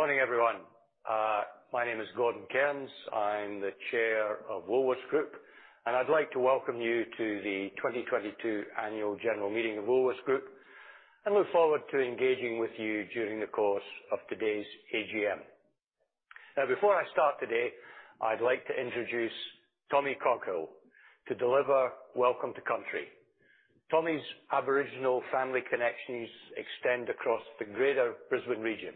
...Good morning, everyone. My name is Gordon Cairns. I'm the Chair of Woolworths Group, and I'd like to welcome you to the twenty twenty-two Annual General Meeting of Woolworths Group, and look forward to engaging with you during the course of today's AGM. Now, before I start today, I'd like to introduce Tommy Coghill to deliver Welcome to Country. Tommy's Aboriginal family connections extend across the greater Brisbane region.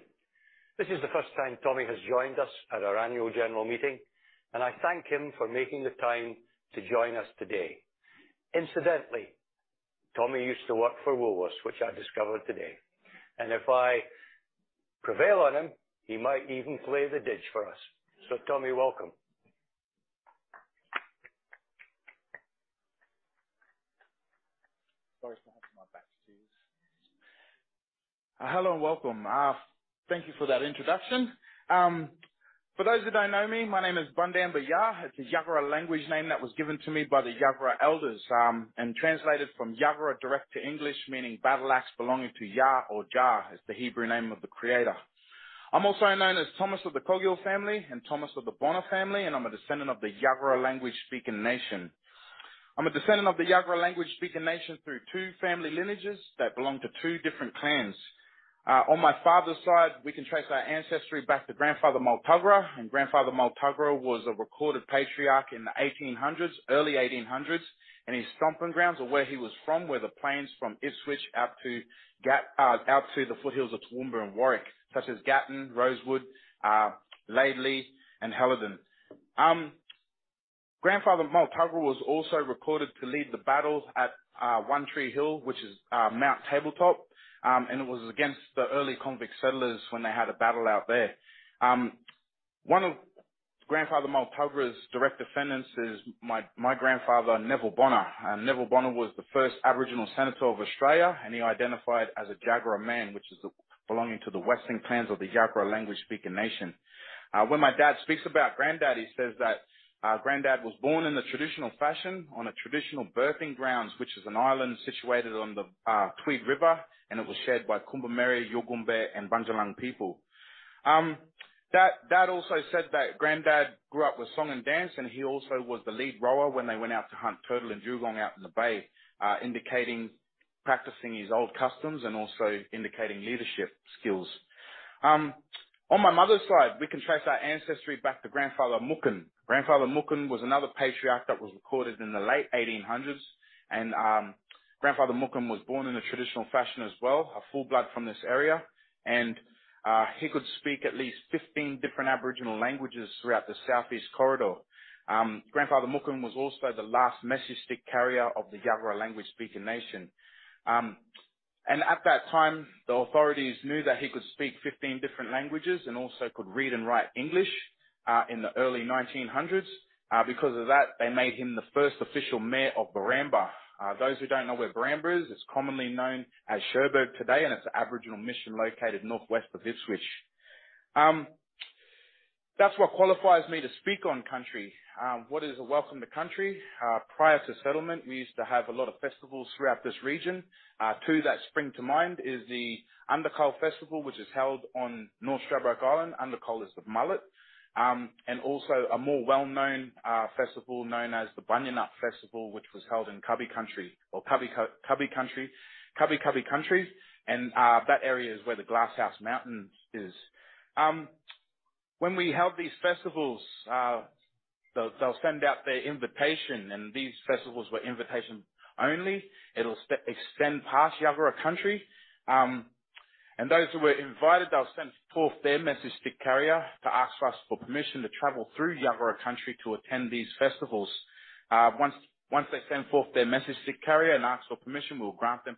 This is the first time Tommy has joined us at our annual general meeting, and I thank him for making the time to join us today. Incidentally, Tommy used to work for Woolworths, which I discovered today, and if I prevail on him, he might even play the didge for us. So, Tommy, welcome. Sorry if I have my back to you. Hello and welcome. Thank you for that introduction. For those who don't know me, my name is Bundamba Jah. It's a Jagera language name that was given to me by the Jagera elders, and translated from Jagera direct to English, meaning battle axe belonging to Yah or Jah, is the Hebrew name of the Creator. I'm also known as Thomas of the Coghill family and Thomas of the Bonner family, and I'm a descendant of the Jagera language-speaking nation. I'm a descendant of the Jagera language-speaking nation through two family lineages that belong to two different clans. On my father's side, we can trace our ancestry back to Grandfather Multuggerah, and Grandfather Multuggerah was a recorded patriarch in the 1800s, early 1800s, and his stomping grounds or where he was from were the plains from Ipswich out to the foothills of Toowoomba and Warwick, such as Gatton, Rosewood, Laidley and Helidon. Grandfather Multuggerah was also recorded to lead the battles at One Tree Hill, which is Mount Tabletop, and it was against the early convict settlers when they had a battle out there. One of Grandfather Multuggerah's direct descendants is my grandfather, Neville Bonner. And Neville Bonner was the first Aboriginal senator of Australia, and he identified as a Jagera man, which is belonging to the western clans of the Jagera language-speaking nation. When my dad speaks about Granddad, he says that Granddad was born in the traditional fashion on a traditional birthing grounds, which is an island situated on the Tweed River, and it was shared by Kombumerri, Yugambeh, and Bundjalung people. Dad also said that Granddad grew up with song and dance, and he also was the lead rower when they went out to hunt turtle and dugong out in the bay, indicating practicing his old customs and also indicating leadership skills. On my mother's side, we can trace our ancestry back to Grandfather Mookin. Grandfather Mookin was another patriarch that was recorded in the late 1800s, and Grandfather Mookin was born in a traditional fashion as well, a full-blood from this area, and he could speak at least fifteen different Aboriginal languages throughout the southeast corridor. Grandfather Mookin was also the last message stick carrier of the Jagera language-speaking nation. And at that time, the authorities knew that he could speak fifteen different languages and also could read and write English, in the early 1900s. Because of that, they made him the first official mayor of Barambah. Those who don't know where Barambah is, it's commonly known as Cherbourg today, and it's an Aboriginal mission located northwest of Ipswich. That's what qualifies me to speak on country. What is a Welcome to Country? Prior to settlement, we used to have a lot of festivals throughout this region. Two that spring to mind is the Undacull Festival, which is held on North Stradbroke Island, Undacull is the mullet. And also a more well-known festival known as the Bunya Nut Festival, which was held in Kabi Kabi country, and that area is where the Glass House Mountains is. When we held these festivals, they'll send out their invitation, and these festivals were invitation only. It'll extend past Jagera country, and those who were invited, they'll send forth their message stick carrier to ask us for permission to travel through Jagera country to attend these festivals. Once they send forth their message stick carrier and ask for permission, we'll grant them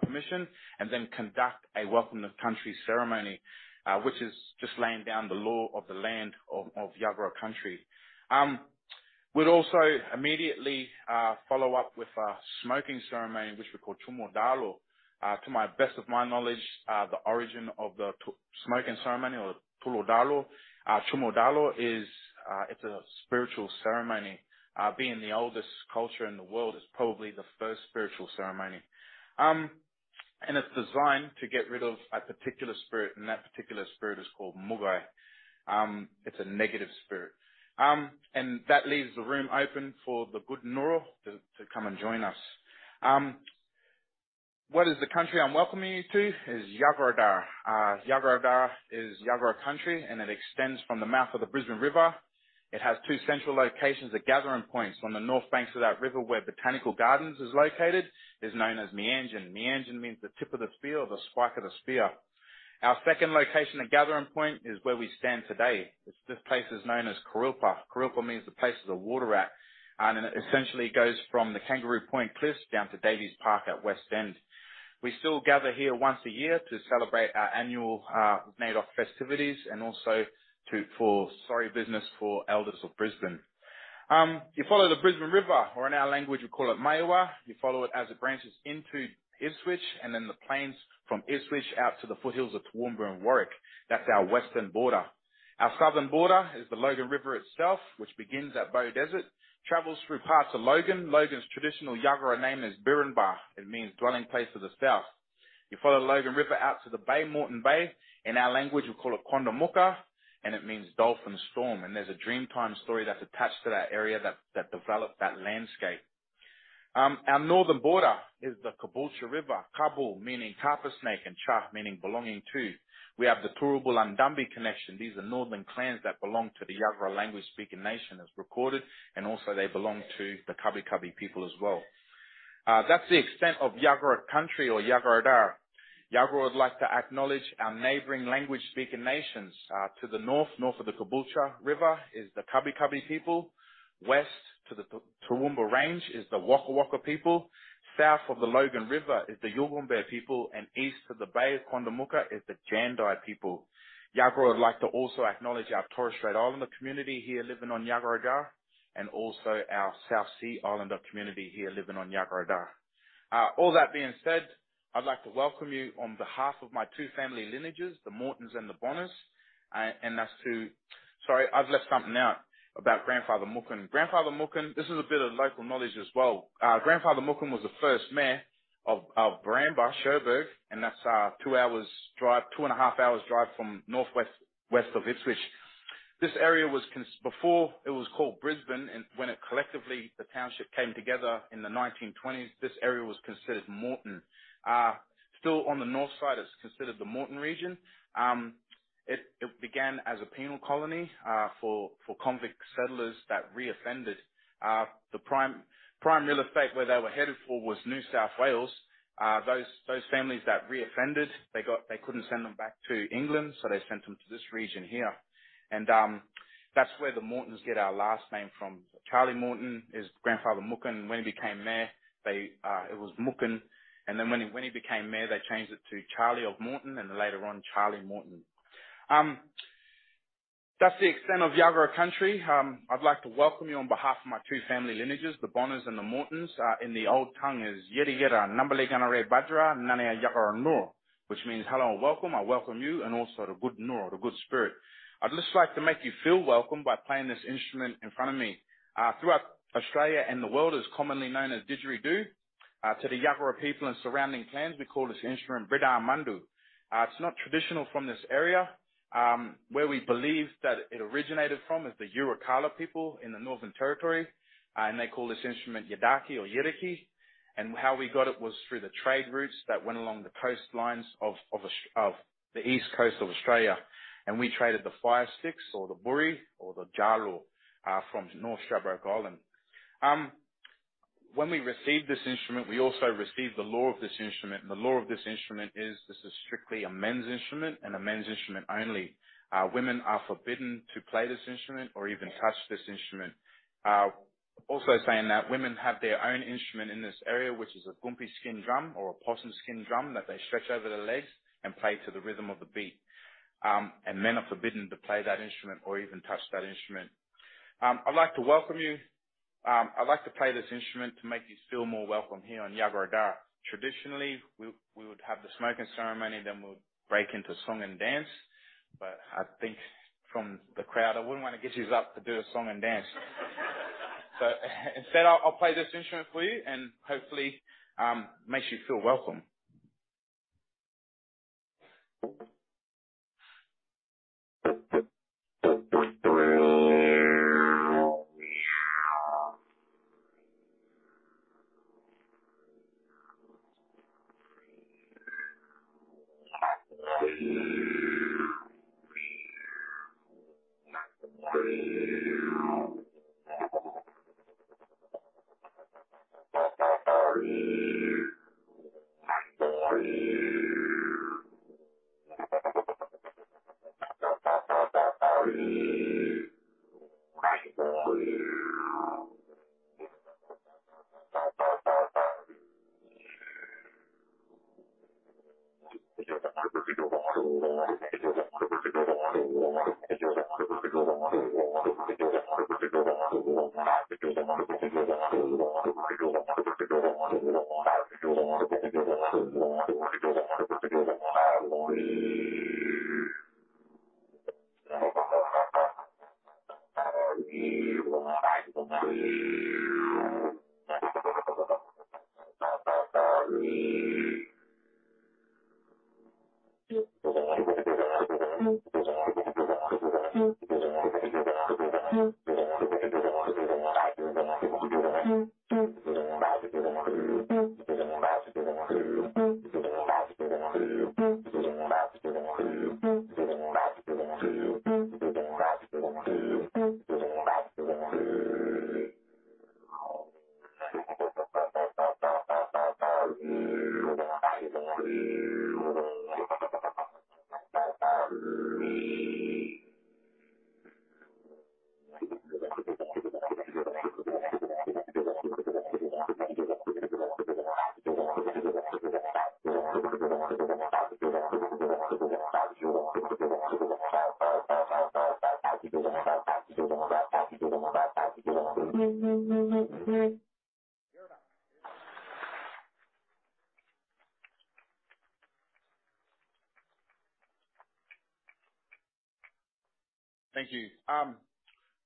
permission, and then conduct a Welcome to Country ceremony, which is just laying down the law of the land of Jagera country. We'd also immediately follow up with a smoking ceremony, which we call Chummu Dalo. To my best of my knowledge, the origin of the smoking ceremony or the Chummu Dalo, Chummu Dalo is a spiritual ceremony. Being the oldest culture in the world, it's probably the first spiritual ceremony. And it's designed to get rid of a particular spirit, and that particular spirit is called Muggai. It's a negative spirit. And that leaves the room open for the good Nurral to come and join us. What is the country I'm welcoming you to? Is Jagera Dar. Jagera Dar is Jagera country, and it extends from the mouth of the Brisbane River. It has two central locations and gathering points. On the north banks of that river, where Botanical Gardens is located, is known as Meanjin. Meanjin means the tip of the spear or the spike of the spear. Our second location and gathering point is where we stand today. This, this place is known as Kurilpa. Kurilpa means the place of the water rat, and it essentially goes from the Kangaroo Point cliffs down to Davies Park at West End. We still gather here once a year to celebrate our annual NAIDOC festivities and also for Sorry Business for elders of Brisbane. You follow the Brisbane River, or in our language, we call it Maiwa. You follow it as it branches into Ipswich, and then the plains from Ipswich out to the foothills of Toowoomba and Warwick. That's our western border. Our southern border is the Logan River itself, which begins at Beaudesert, travels through parts of Logan. Logan's traditional Yuggera name is Birrumba. It means dwelling place of the south. You follow the Logan River out to the bay, Moreton Bay. In our language, we call it Quandamooka, and it means dolphin storm. And there's a Dreamtime story that's attached to that area that developed that landscape. Our northern border is the Caboolture River, Cabool, meaning carpet snake, and ture, meaning belonging to. We have the Turrbal and Dumbi connection. These are northern clans that belong to the Yuggera language-speaking nation, as recorded, and also they belong to the Kabi Kabi people as well. That's the extent of Yuggera country or Yuggera Dar. Yuggera would like to acknowledge our neighboring language-speaking nations. To the north, north of the Caboolture River, is the Kabi Kabi people. West to the Toowoomba Range is the Waka Waka people. South of the Logan River is the Ugambeh people, and east to the Bay of Quandamooka is the Jandai people. Yuggera would like to also acknowledge our Torres Strait Islander community here living on Yuggera Dar, and also our South Sea Islander community here living on Yuggera Dar. All that being said, I'd like to welcome you on behalf of my two family lineages, the Mortons and the Bonners, and that's. Sorry, I've left something out about Grandfather Mookin. Grandfather Mookin, this is a bit of local knowledge as well. Grandfather Mookin was the first mayor of Barambah, Cherbourg, and that's two hours drive, two and a half hours drive from northwest, west of Ipswich. This area was before it was called Brisbane, and when it collectively, the township came together in the nineteen twenties, this area was considered Moreton. Still on the north side, it's considered the Moreton region. It began as a penal colony for convict settlers that reoffended. The primary real estate where they were headed for was New South Wales. Those families that reoffended, they couldn't send them back to England, so they sent them to this region here. That's where the Mortons get our last name from. Charlie Moreton is Grandfather Mookin. When he became mayor, it was Mookin, and then when he became mayor, they changed it to Charlie of Moreton, and later on, Charlie Moreton. That's the extent of Yuggera country. I'd like to welcome you on behalf of my two family lineages, the Bonners and the Mortons. In the old tongue is,... Which means, hello and welcome. I welcome you, and also the good noora, the good spirit. I'd just like to make you feel welcome by playing this instrument in front of me. Throughout Australia and the world, it's commonly known as didgeridoo. To the Yuggera people and surrounding clans, we call this instrument biripaa mandu. It's not traditional from this area. Where we believe that it originated from is the Yirrkala people in the Northern Territory, and they call this instrument yadaki or yidaki. How we got it was through the trade routes that went along the coastlines of the east coast of Australia, and we traded the fire sticks, or the boori or the jalu, from North Stradbroke Island. When we received this instrument, we also received the lore of this instrument, and the lore of this instrument is, this is strictly a men's instrument and a men's instrument only. Women are forbidden to play this instrument or even touch this instrument. Also saying that women have their own instrument in this area, which is a gumpi skin drum or a possum skin drum that they stretch over their legs and play to the rhythm of the beat. And men are forbidden to play that instrument or even touch that instrument. I'd like to welcome you. I'd like to play this instrument to make you feel more welcome here on Yuggera Dar. Traditionally, we would have the smoking ceremony, then we'll break into song and dance, but I think from the crowd, I wouldn't want to get yous up to do a song and dance. So instead, I'll play this instrument for you, and hopefully makes you feel welcome. Thank you.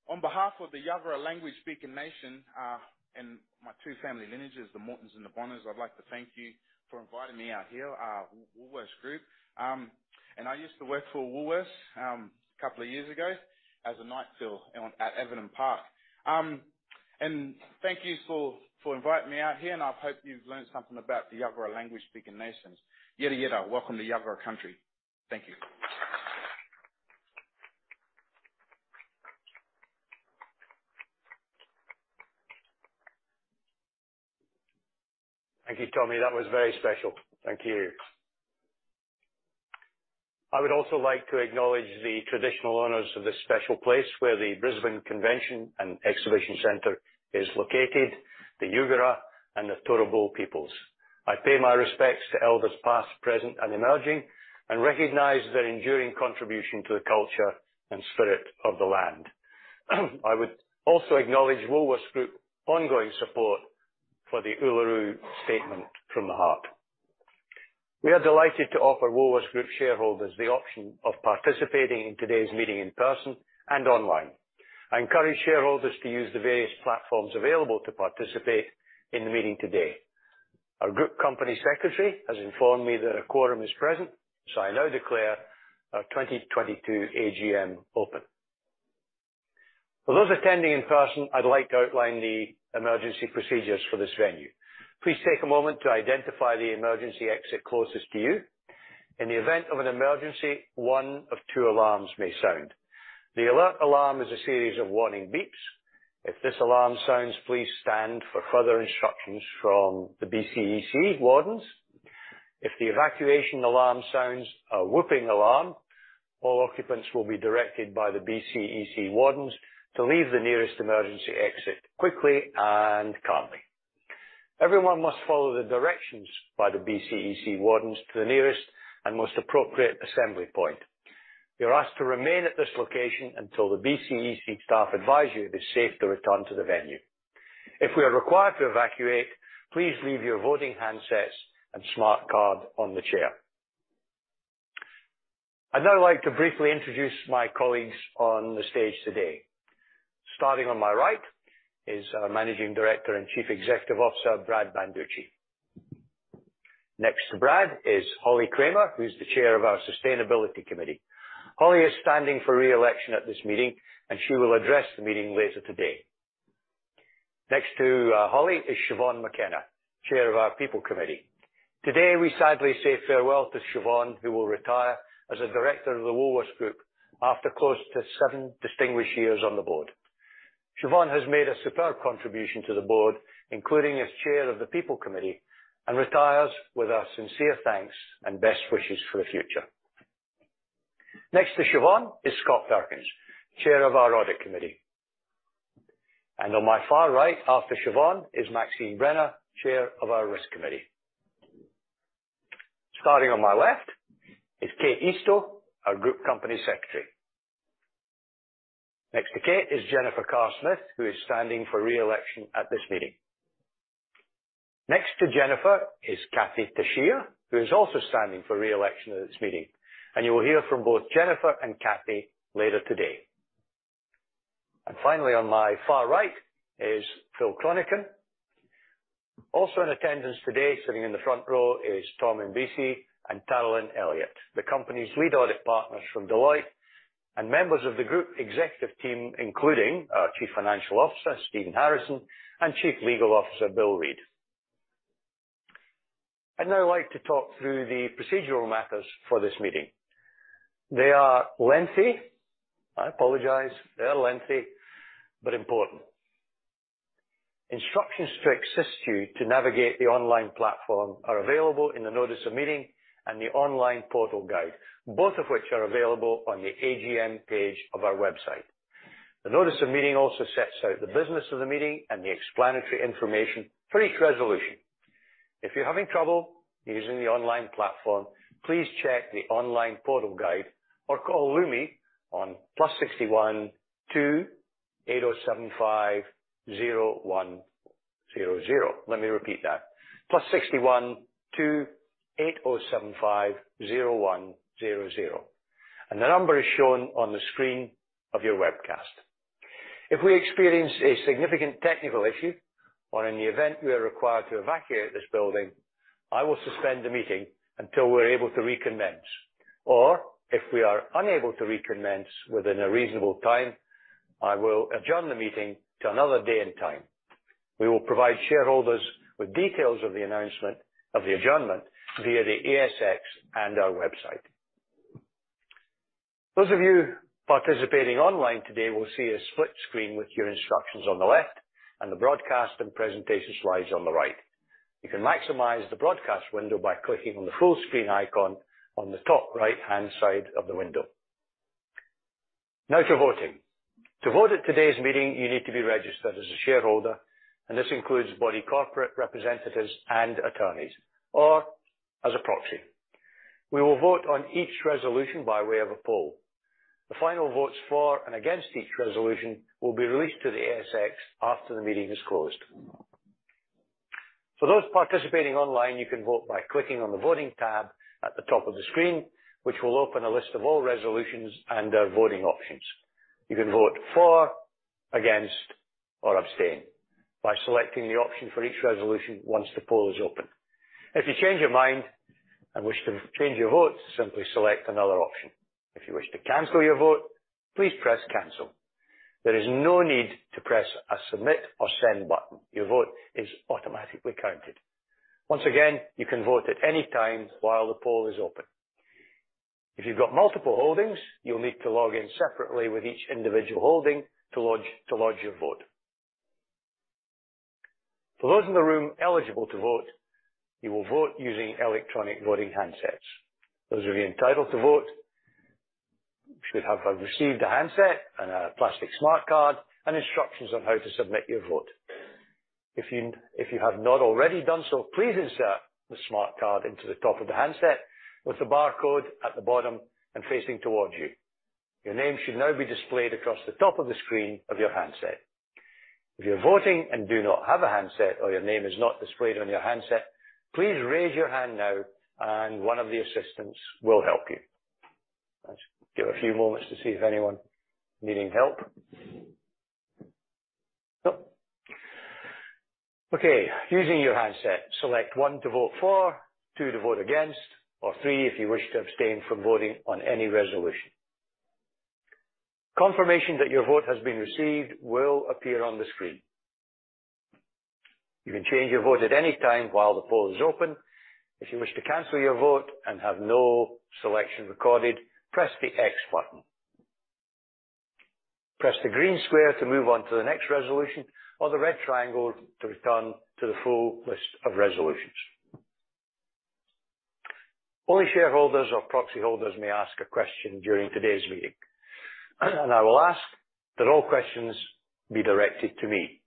On behalf of the Yuggera language-speaking nation and my two family lineages, the Mortons and the Bonners, I'd like to thank you for inviting me out here, Woolworths Group. I used to work for Woolworths a couple of years ago as a night fill at Everton Park. Thank you for inviting me out here, and I hope you've learned something about the Yuggera language-speaking nations. Yera, yera, welcome to Yuggera country. Thank you. Thank you, Tommy. That was very special. Thank you. I would also like to acknowledge the traditional owners of this special place where the Brisbane Convention and Exhibition Centre is located, the Yuggera and the Turrbal peoples. I pay my respects to elders, past, present, and emerging, and recognize their enduring contribution to the culture and spirit of the land. I would also acknowledge Woolworths Group's ongoing support for the Uluru Statement from the Heart. We are delighted to offer Woolworths Group shareholders the option of participating in today's meeting in person and online. I encourage shareholders to use the various platforms available to participate in the meeting today. Our group company secretary has informed me that a quorum is present, so I now declare our twenty twenty-two AGM open. For those attending in person, I'd like to outline the emergency procedures for this venue. Please take a moment to identify the emergency exit closest to you. In the event of an emergency, one of two alarms may sound. The alert alarm is a series of warning beeps. If this alarm sounds, please stand for further instructions from the BCEC wardens. If the evacuation alarm sounds a whooping alarm, all occupants will be directed by the BCEC wardens to leave the nearest emergency exit quickly and calmly. Everyone must follow the directions by the BCEC wardens to the nearest and most appropriate assembly point. You're asked to remain at this location until the BCEC staff advise you it is safe to return to the venue. If we are required to evacuate, please leave your voting handsets and smart card on the chair. I'd now like to briefly introduce my colleagues on the stage today. Starting on my right is our Managing Director and Chief Executive Officer, Brad Banducci. Next to Brad is Holly Kramer, who's the Chair of our Sustainability Committee. Holly is standing for re-election at this meeting, and she will address the meeting later today. Next to Holly is Siobhan McKenna, Chair of our People Committee. Today, we sadly say farewell to Siobhan, who will retire as a director of the Woolworths Group after close to seven distinguished years on the board. Siobhan has made a superb contribution to the board, including as Chair of the People Committee, and retires with our sincere thanks and best wishes for the future. Next to Siobhan is Scott Perkins, Chair of our Audit Committee, and on my far right, after Siobhan, is Maxine Brenner, Chair of our Risk Committee. Starting on my left is Kate Eastoe, our Group Company Secretary. Next to Kate is Jennifer Carr-Smith, who is standing for re-election at this meeting. Next to Jennifer is Kathee Tesija, who is also standing for re-election at this meeting. And you will hear from both Jennifer and Kathee later today. And finally, on my far right is Phil Chronican. Also in attendance today, sitting in the front row, is Tom Imbesi and Caroline Elliott, the company's lead audit partners from Deloitte, and members of the group executive team, including our Chief Financial Officer, Stephen Harrison, and Chief Legal Officer, Bill Reid. I'd now like to talk through the procedural matters for this meeting. They are lengthy. I apologize. They are lengthy, but important. Instructions to assist you to navigate the online platform are available in the notice of meeting and the online portal guide, both of which are available on the AGM page of our website. The notice of meeting also sets out the business of the meeting and the explanatory information for each resolution. If you're having trouble using the online platform, please check the online portal guide or call Lumi on +61 2 8075 0100. Let me repeat that: +61 2 8075 0100, and the number is shown on the screen of your webcast. If we experience a significant technical issue or in the event we are required to evacuate this building, I will suspend the meeting until we're able to reconvene, or if we are unable to reconvene within a reasonable time, I will adjourn the meeting to another day and time. We will provide shareholders with details of the announcement of the adjournment via the ASX and our website. Those of you participating online today will see a split screen with your instructions on the left and the broadcast and presentation slides on the right. You can maximize the broadcast window by clicking on the full screen icon on the top right-hand side of the window. Now to voting. To vote at today's meeting, you need to be registered as a shareholder, and this includes body corporate representatives and attorneys, or as a proxy. We will vote on each resolution by way of a poll. The final votes for and against each resolution will be released to the ASX after the meeting is closed. For those participating online, you can vote by clicking on the Voting tab at the top of the screen, which will open a list of all resolutions and their voting options. You can vote for, against, or abstain by selecting the option for each resolution once the poll is open. If you change your mind and wish to change your vote, simply select another option. If you wish to cancel your vote, please press Cancel. There is no need to press a Submit or Send button. Your vote is automatically counted. Once again, you can vote at any time while the poll is open. If you've got multiple holdings, you'll need to log in separately with each individual holding to lodge your vote. For those in the room eligible to vote, you will vote using electronic voting handsets. Those of you entitled to vote should have received a handset and a plastic smart card and instructions on how to submit your vote. If you, if you have not already done so, please insert the smart card into the top of the handset with the barcode at the bottom and facing towards you. Your name should now be displayed across the top of the screen of your handset. If you're voting and do not have a handset or your name is not displayed on your handset, please raise your hand now and one of the assistants will help you. Let's give a few moments to see if anyone needing help. Nope. Okay, using your handset, select one to vote for, two to vote against, or three if you wish to abstain from voting on any resolution. Confirmation that your vote has been received will appear on the screen. You can change your vote at any time while the poll is open. If you wish to cancel your vote and have no selection recorded, press the X button. Press the green square to move on to the next resolution, or the red triangle to return to the full list of resolutions. Only shareholders or proxy holders may ask a question during today's meeting, and I will ask that all questions be directed to me.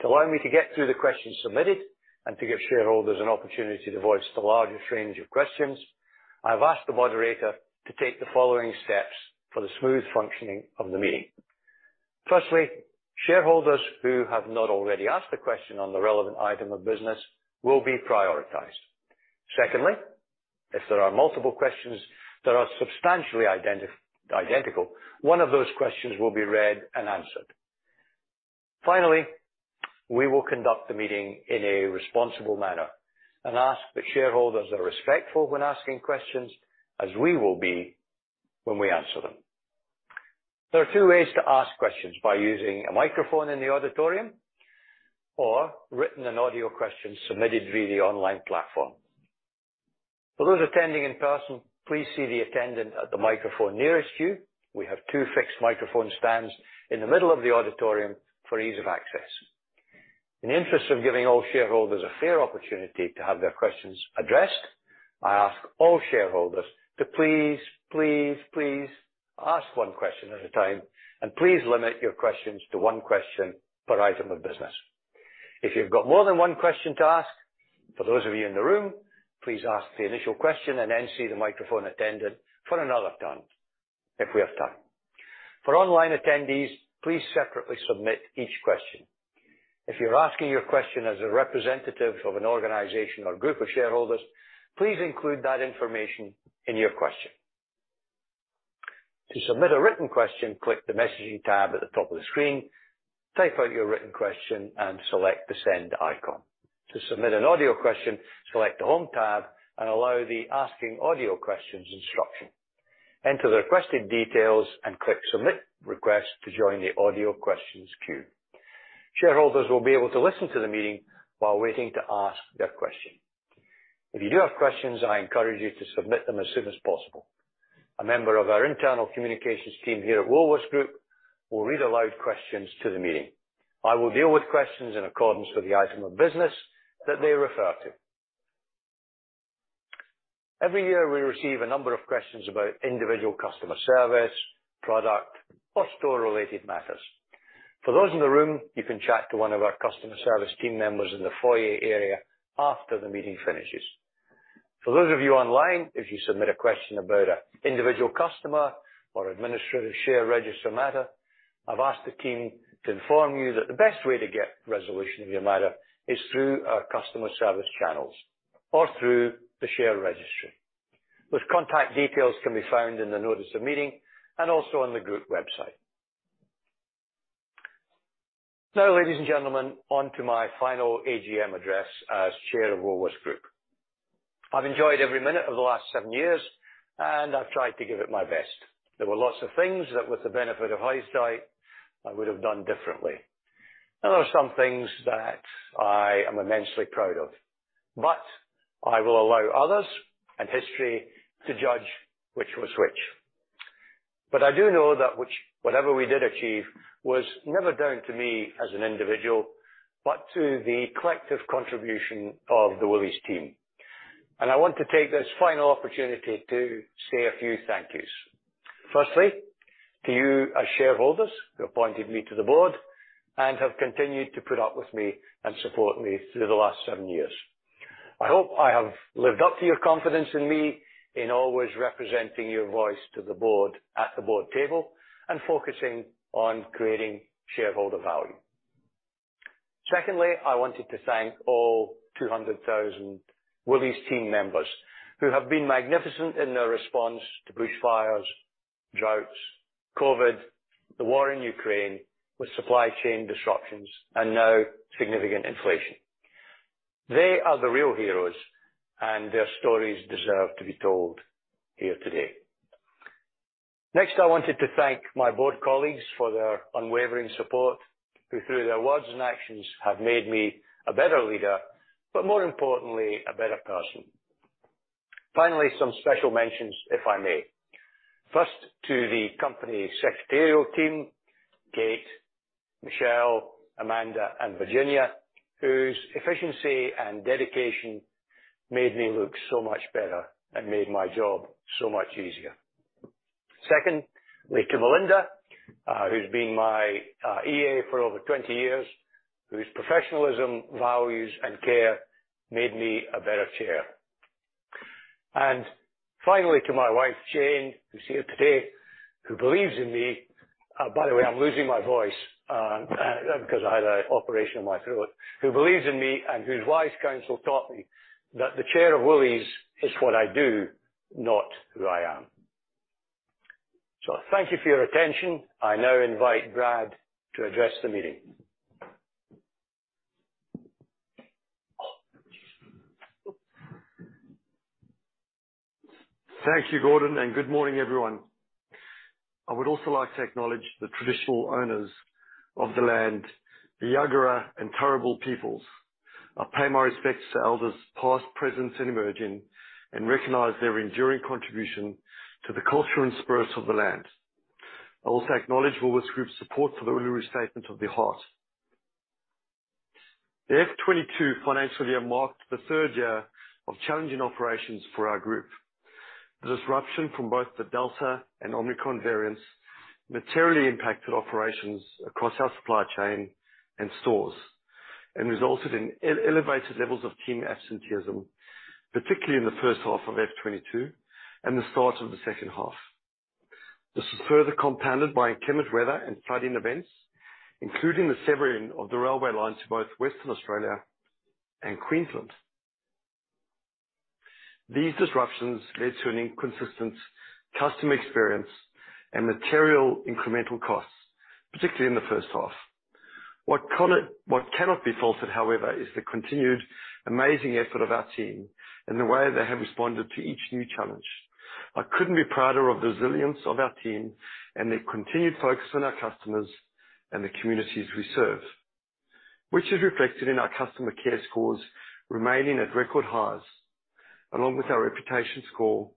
To allow me to get through the questions submitted, and to give shareholders an opportunity to voice the largest range of questions, I've asked the moderator to take the following steps for the smooth functioning of the meeting. Firstly, shareholders who have not already asked a question on the relevant item of business will be prioritized. Secondly, if there are multiple questions that are substantially identical, one of those questions will be read and answered. Finally, we will conduct the meeting in a responsible manner and ask that shareholders are respectful when asking questions, as we will be when we answer them. There are two ways to ask questions: by using a microphone in the auditorium or a written or audio question submitted via the online platform. For those attending in person, please see the attendant at the microphone nearest you. We have two fixed microphone stands in the middle of the auditorium for ease of access. In the interest of giving all shareholders a fair opportunity to have their questions addressed, I ask all shareholders to please, please, please ask one question at a time, and please limit your questions to one question per item of business. If you've got more than one question to ask, for those of you in the room, please ask the initial question and then see the microphone attendant for another turn, if we have time. For online attendees, please separately submit each question. If you're asking your question as a representative of an organization or group of shareholders, please include that information in your question. To submit a written question, click the Messaging tab at the top of the screen, type out your written question, and select the Send icon. To submit an audio question, select the Home tab and allow the Asking Audio Questions instruction. Enter the requested details and click Submit Request to join the audio questions queue. Shareholders will be able to listen to the meeting while waiting to ask their question. If you do have questions, I encourage you to submit them as soon as possible. A member of our internal communications team here at Woolworths Group will read aloud questions to the meeting. I will deal with questions in accordance with the item of business that they refer to. Every year, we receive a number of questions about individual customer service, product, or store-related matters. For those in the room, you can chat to one of our customer service team members in the foyer area after the meeting finishes. For those of you online, if you submit a question about an individual customer or administrative share register matter, I've asked the team to inform you that the best way to get resolution of your matter is through our customer service channels or through the share registry. Those contact details can be found in the Notice of Meeting and also on the group website. Now, ladies and gentlemen, on to my final AGM address as chair of Woolworths Group. I've enjoyed every minute of the last seven years, and I've tried to give it my best. There were lots of things that, with the benefit of hindsight, I would have done differently. And there are some things that I am immensely proud of, but I will allow others and history to judge which was which. But I do know that whatever we did achieve was never down to me as an individual, but to the collective contribution of the Woolies team. And I want to take this final opportunity to say a few thank yous. Firstly, to you as shareholders who appointed me to the board, and have continued to put up with me and support me through the last seven years. I hope I have lived up to your confidence in me in always representing your voice to the board at the board table, and focusing on creating shareholder value. Secondly, I wanted to thank all two hundred thousand Woolies team members who have been magnificent in their response to bushfires, droughts, COVID, the war in Ukraine, with supply chain disruptions, and now significant inflation. They are the real heroes, and their stories deserve to be told here today. Next, I wanted to thank my board colleagues for their unwavering support, who, through their words and actions, have made me a better leader, but more importantly, a better person. Finally, some special mentions, if I may. First, to the company secretarial team, Kate, Michelle, Amanda, and Virginia, whose efficiency and dedication made me look so much better and made my job so much easier. Second, thank you, Melinda, who's been my EA for over 20 years, whose professionalism, values, and care made me a better chair. And finally, to my wife, Jane, who's here today, who believes in me. By the way, I'm losing my voice because I had an operation on my throat. Who believes in me, and whose wise counsel taught me that the chair of Woolies is what I do, not who I am. So thank you for your attention. I now invite Brad to address the meeting. Thank you, Gordon, and good morning, everyone. I would also like to acknowledge the traditional owners of the land, the Jagera and Turrbal peoples. I pay my respects to elders, past, present, and emerging, and recognize their enduring contribution to the culture and spirit of the land. I also acknowledge Woolworths Group's support for the Uluru Statement from the Heart. The F '22 financial year marked the third year of challenging operations for our group. The disruption from both the Delta and Omicron variants materially impacted operations across our supply chain and stores, and resulted in elevated levels of team absenteeism, particularly in the first half of F '22 and the start of the second half. This was further compounded by inclement weather and flooding events, including the severing of the railway lines to both Western Australia and Queensland. These disruptions led to an inconsistent customer experience and material incremental costs, particularly in the first half. What cannot be faulted, however, is the continued amazing effort of our team and the way they have responded to each new challenge. I couldn't be prouder of the resilience of our team and their continued focus on our customers and the communities we serve, which is reflected in our customer care scores remaining at record highs, along with our reputation score,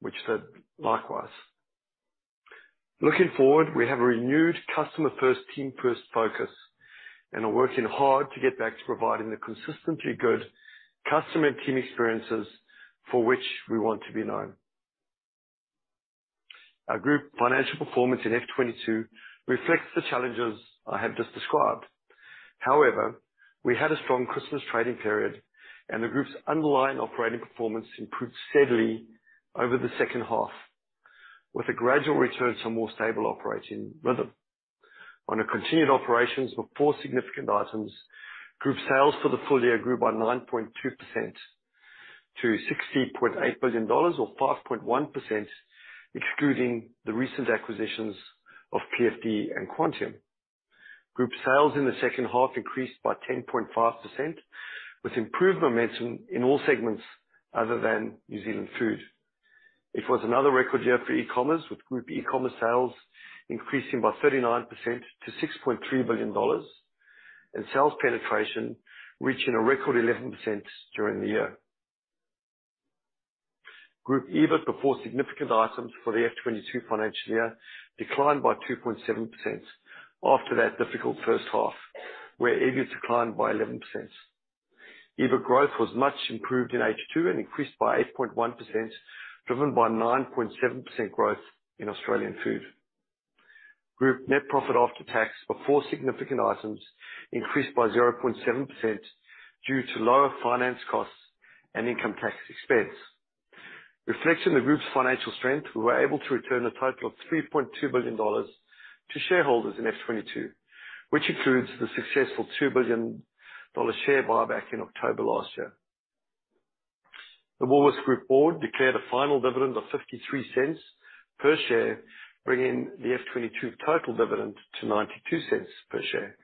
which stood likewise. Looking forward, we have a renewed customer first, team first focus, and are working hard to get back to providing the consistently good customer and team experiences for which we want to be known. Our group financial performance in FY 2022 reflects the challenges I have just described. However, we had a strong Christmas trading period, and the group's underlying operating performance improved steadily over the second half, with a gradual return to a more stable operating rhythm. On a continuing operations basis before significant items, group sales for the full year grew by 9.2% to 60.8 billion dollars, or 5.1%, excluding the recent acquisitions of PFD and Quantium. Group sales in the second half increased by 10.5%, with improved momentum in all segments other than New Zealand Food. It was another record year for e-commerce, with group e-commerce sales increasing by 39% to 6.3 billion dollars, and sales penetration reaching a record 11% during the year. Group EBIT before significant items for the FY '22 financial year declined by 2.7% after that difficult first half, where EBIT declined by 11%. EBIT growth was much improved in H2 and increased by 8.1%, driven by 9.7% growth in Australian Food. Group net profit after tax before significant items increased by 0.7% due to lower finance costs and income tax expense. Reflecting the group's financial strength, we were able to return a total of 3.2 billion dollars to shareholders in FY 2022, which includes the successful 2 billion dollar share buyback in October last year. The Woolworths Group board declared a final dividend of 0.53 per share, bringing the FY 2022 total dividend to 0.92 per share.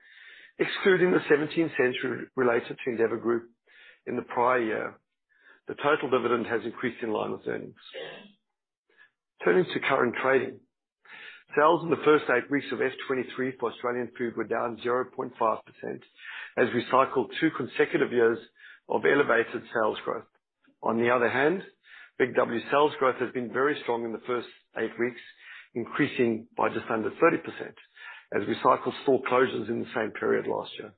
Excluding the 0.17 related to Endeavour Group in the prior year, the total dividend has increased in line with earnings. Turning to current trading, sales in the first eight weeks of FY '23 for Australian Food were down 0.5%, as we cycled two consecutive years of elevated sales growth. On the other hand, Big W sales growth has been very strong in the first eight weeks, increasing by just under 30% as we cycled store closures in the same period last year.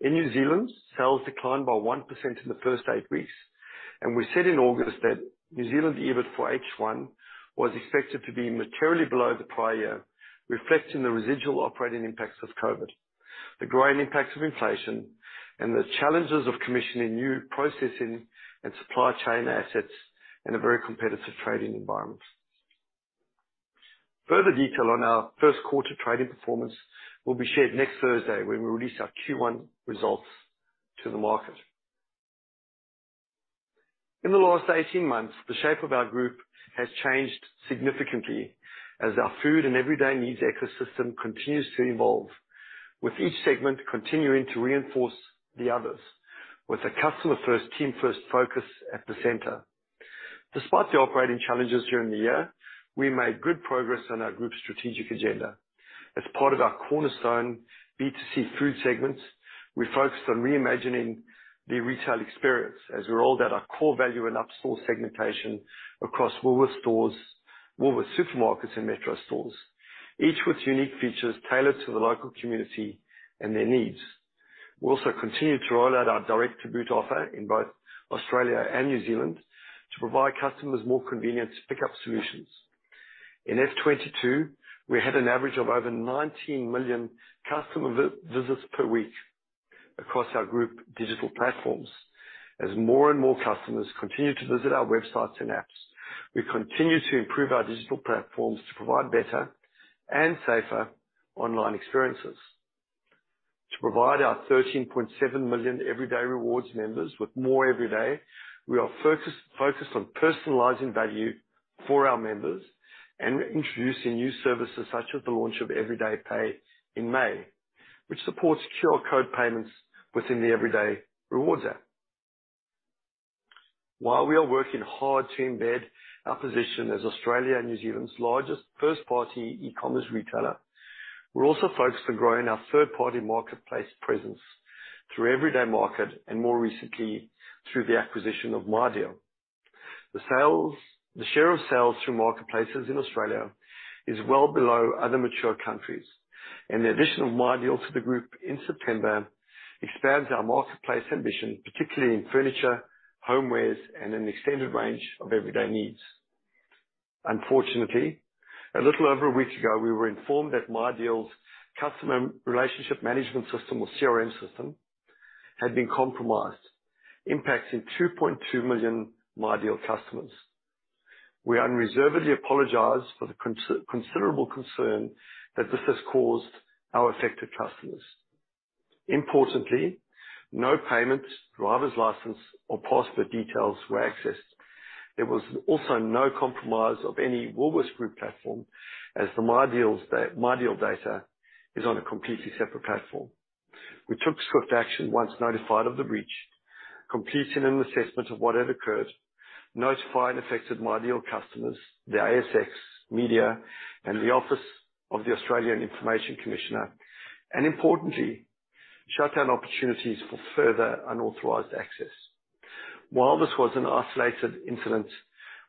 In New Zealand, sales declined by 1% in the first eight weeks, and we said in August that New Zealand EBIT for H1 was expected to be materially below the prior year, reflecting the residual operating impacts of COVID, the growing impacts of inflation, and the challenges of commissioning new processing and supply chain assets in a very competitive trading environment. Further detail on our first quarter trading performance will be shared next Thursday, when we release our Q1 results to the market. In the last eighteen months, the shape of our group has changed significantly as our food and everyday needs ecosystem continues to evolve, with each segment continuing to reinforce the others, with a customer first, team first focus at the center. Despite the operating challenges during the year, we made good progress on our group's strategic agenda. As part of our cornerstone B2C food segment, we focused on reimagining the retail experience as we rolled out our core value and upstore segmentation across Woolworths stores, Woolworths supermarkets, and Metro stores, each with unique features tailored to the local community and their needs. We also continued to roll out our direct-to-boot offer in both Australia and New Zealand to provide customers more convenient pickup solutions. In F22, we had an average of over 19 million customer visits per week across our group digital platforms. As more and more customers continue to visit our websites and apps, we continue to improve our digital platforms to provide better and safer online experiences. To provide our 13.7 million Everyday Rewards members with more everyday, we are focused on personalizing value for our members and introducing new services, such as the launch of Everyday Pay in May, which supports QR code payments within the Everyday Rewards app. While we are working hard to embed our position as Australia and New Zealand's largest first-party e-commerce retailer, we're also focused on growing our third-party marketplace presence through Everyday Market, and more recently, through the acquisition of MyDeal. The share of sales through marketplaces in Australia is well below other mature countries, and the addition of MyDeal to the group in September expands our marketplace ambition, particularly in furniture, homewares, and an extended range of everyday needs. Unfortunately, a little over a week ago, we were informed that MyDeal's customer relationship management system or CRM system had been compromised, impacting 2.2 million MyDeal customers. We unreservedly apologize for the considerable concern that this has caused our affected customers. Importantly, no payments, driver's license, or passport details were accessed. There was also no compromise of any Woolworths Group platform, as the MyDeal data is on a completely separate platform. We took swift action once notified of the breach, completing an assessment of what had occurred, notifying affected MyDeal customers, the ASX, media, and the Office of the Australian Information Commissioner, and importantly, shut down opportunities for further unauthorized access. While this was an isolated incident,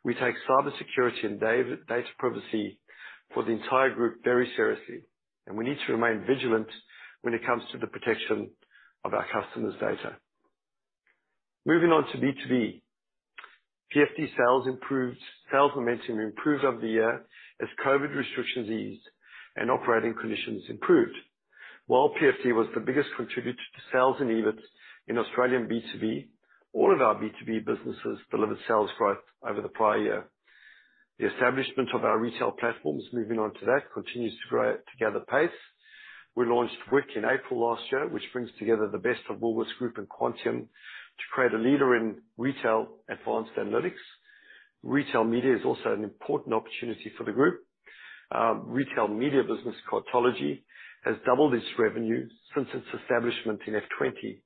we take cybersecurity and data privacy for the entire group very seriously, and we need to remain vigilant when it comes to the protection of our customers' data. Moving on to B2B. PFD sales improved, sales momentum improved over the year as COVID restrictions eased and operating conditions improved. While PFD was the biggest contributor to sales and EBIT in Australian B2B, all of our B2B businesses delivered sales growth over the prior year. The establishment of our retail platforms, moving on to that, continues to grow, to gather pace. We launched WiQ in April last year, which brings together the best of Woolworths Group and Quantium to create a leader in retail advanced analytics. Retail media is also an important opportunity for the group. Retail media business, Cartology, has doubled its revenue since its establishment in FY20.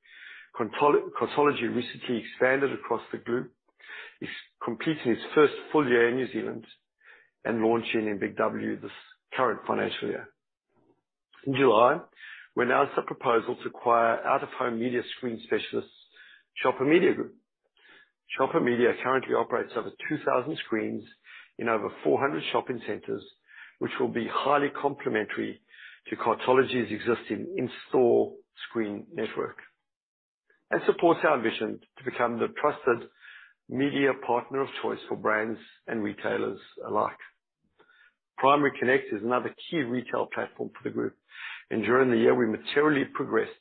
Cartology recently expanded across the group, is completing its first full year in New Zealand, and launching in Big W this current financial year. In July, we announced a proposal to acquire out-of-home media screen specialists, Shopper Media Group. Shopper Media currently operates over 2,000 screens in over 400 shopping centers, which will be highly complementary to Cartology's existing in-store screen network and supports our vision to become the trusted media partner of choice for brands and retailers alike. Primary Connect is another key retail platform for the group, and during the year, we materially progressed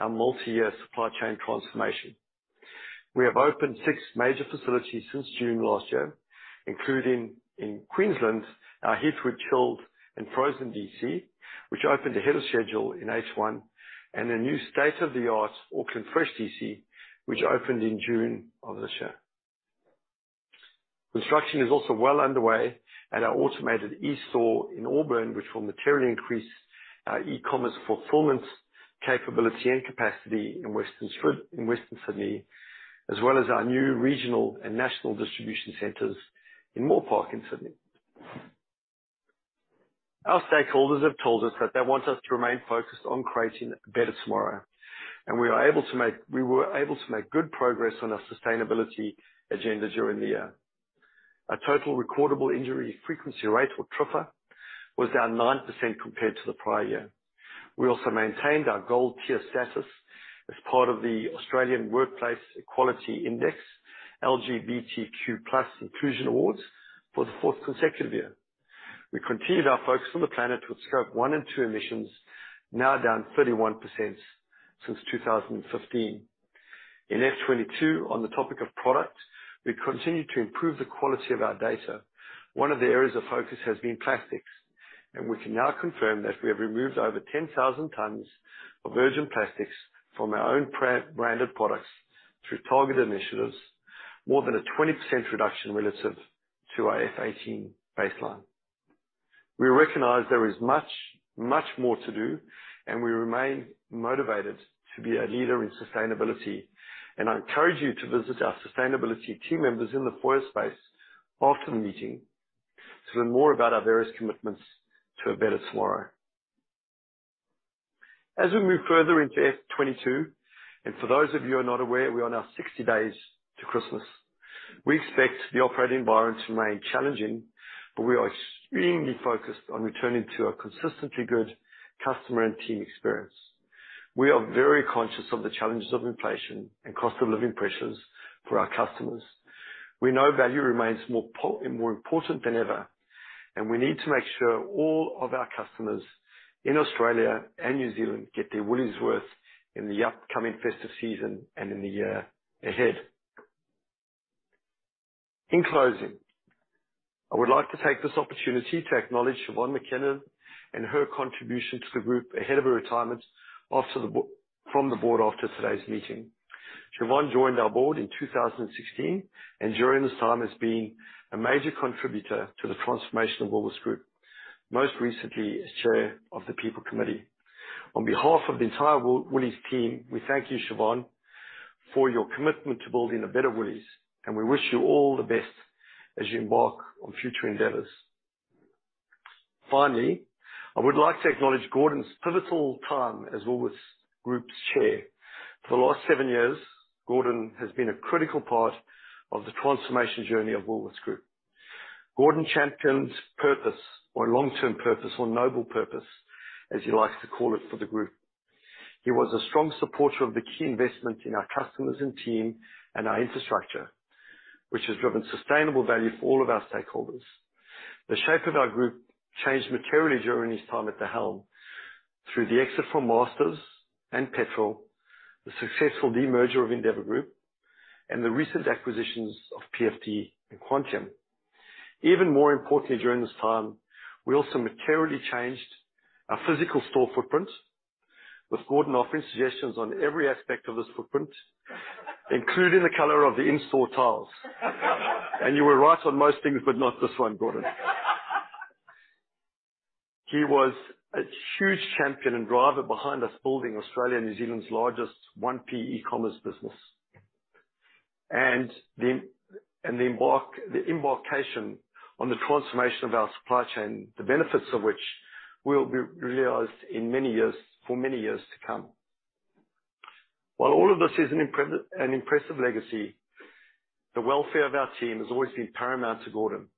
our multi-year supply chain transformation. We have opened six major facilities since June last year, including in Queensland, our Heathwood chilled and frozen DC, which opened ahead of schedule in H1, and a new state-of-the-art Auckland fresh DC, which opened in June of this year. Construction is also well underway at our automated eStore in Auburn, which will materially increase our e-commerce fulfillment capability and capacity in Western Sydney, as well as our new regional and national distribution centers in Moorebank in Sydney. Our stakeholders have told us that they want us to remain focused on creating a better tomorrow, and we were able to make good progress on our sustainability agenda during the year. Our total recordable injury frequency rate, or TRIFR, was down 9% compared to the prior year. We also maintained our gold tier status as part of the Australian Workplace Equality Index, LGBTQ+ Inclusion Awards, for the fourth consecutive year. We continued our focus on the planet, with Scope 1 and 2 emissions now down 31% since two thousand and fifteen. In FY 2022, on the topic of product, we continued to improve the quality of our data. One of the areas of focus has been plastics, and we can now confirm that we have removed over 10,000 tons of virgin plastics from our own branded products through targeted initiatives, more than a 20% reduction relative to our FY 2018 baseline. We recognize there is much, much more to do, and we remain motivated to be a leader in sustainability. And I encourage you to visit our sustainability team members in the foyer space after the meeting, to learn more about our various commitments to a better tomorrow. As we move further into F twenty-two, and for those of you who are not aware, we are now sixty days to Christmas. We expect the operating environment to remain challenging, but we are extremely focused on returning to a consistently good customer and team experience. We are very conscious of the challenges of inflation and cost of living pressures for our customers. We know value remains more important than ever, and we need to make sure all of our customers in Australia and New Zealand get their Woolies worth in the upcoming festive season and in the year ahead. In closing, I would like to take this opportunity to acknowledge Siobhan McKenna and her contribution to the group ahead of her retirement from the board after today's meeting. Siobhan joined our board in 2016, and during this time, has been a major contributor to the transformation of Woolworths Group, most recently as Chair of the People Committee. On behalf of the entire Woolies team, we thank you, Siobhan, for your commitment to building a better Woolies, and we wish you all the best as you embark on future endeavors. Finally, I would like to acknowledge Gordon's pivotal time as Woolworths Group's Chair. For the last seven years, Gordon has been a critical part of the transformation journey of Woolworths Group. Gordon champions purpose or long-term purpose or noble purpose, as he likes to call it, for the group. He was a strong supporter of the key investment in our customers and team, and our infrastructure, which has driven sustainable value for all of our stakeholders. The shape of our group changed materially during his time at the helm, through the exit from Masters and Petrol, the successful demerger of Endeavour Group, and the recent acquisitions of PFD and Quantium. Even more importantly, during this time, we also materially changed our physical store footprint, with Gordon offering suggestions on every aspect of this footprint, including the color of the in-store tiles, and you were right on most things, but not this one, Gordon. He was a huge champion and driver behind us building Australia and New Zealand's largest 1P e-commerce business. The embarkation on the transformation of our supply chain, the benefits of which will be realized in many years, for many years to come. While all of this is an impressive legacy, the welfare of our team has always been paramount to Gordon,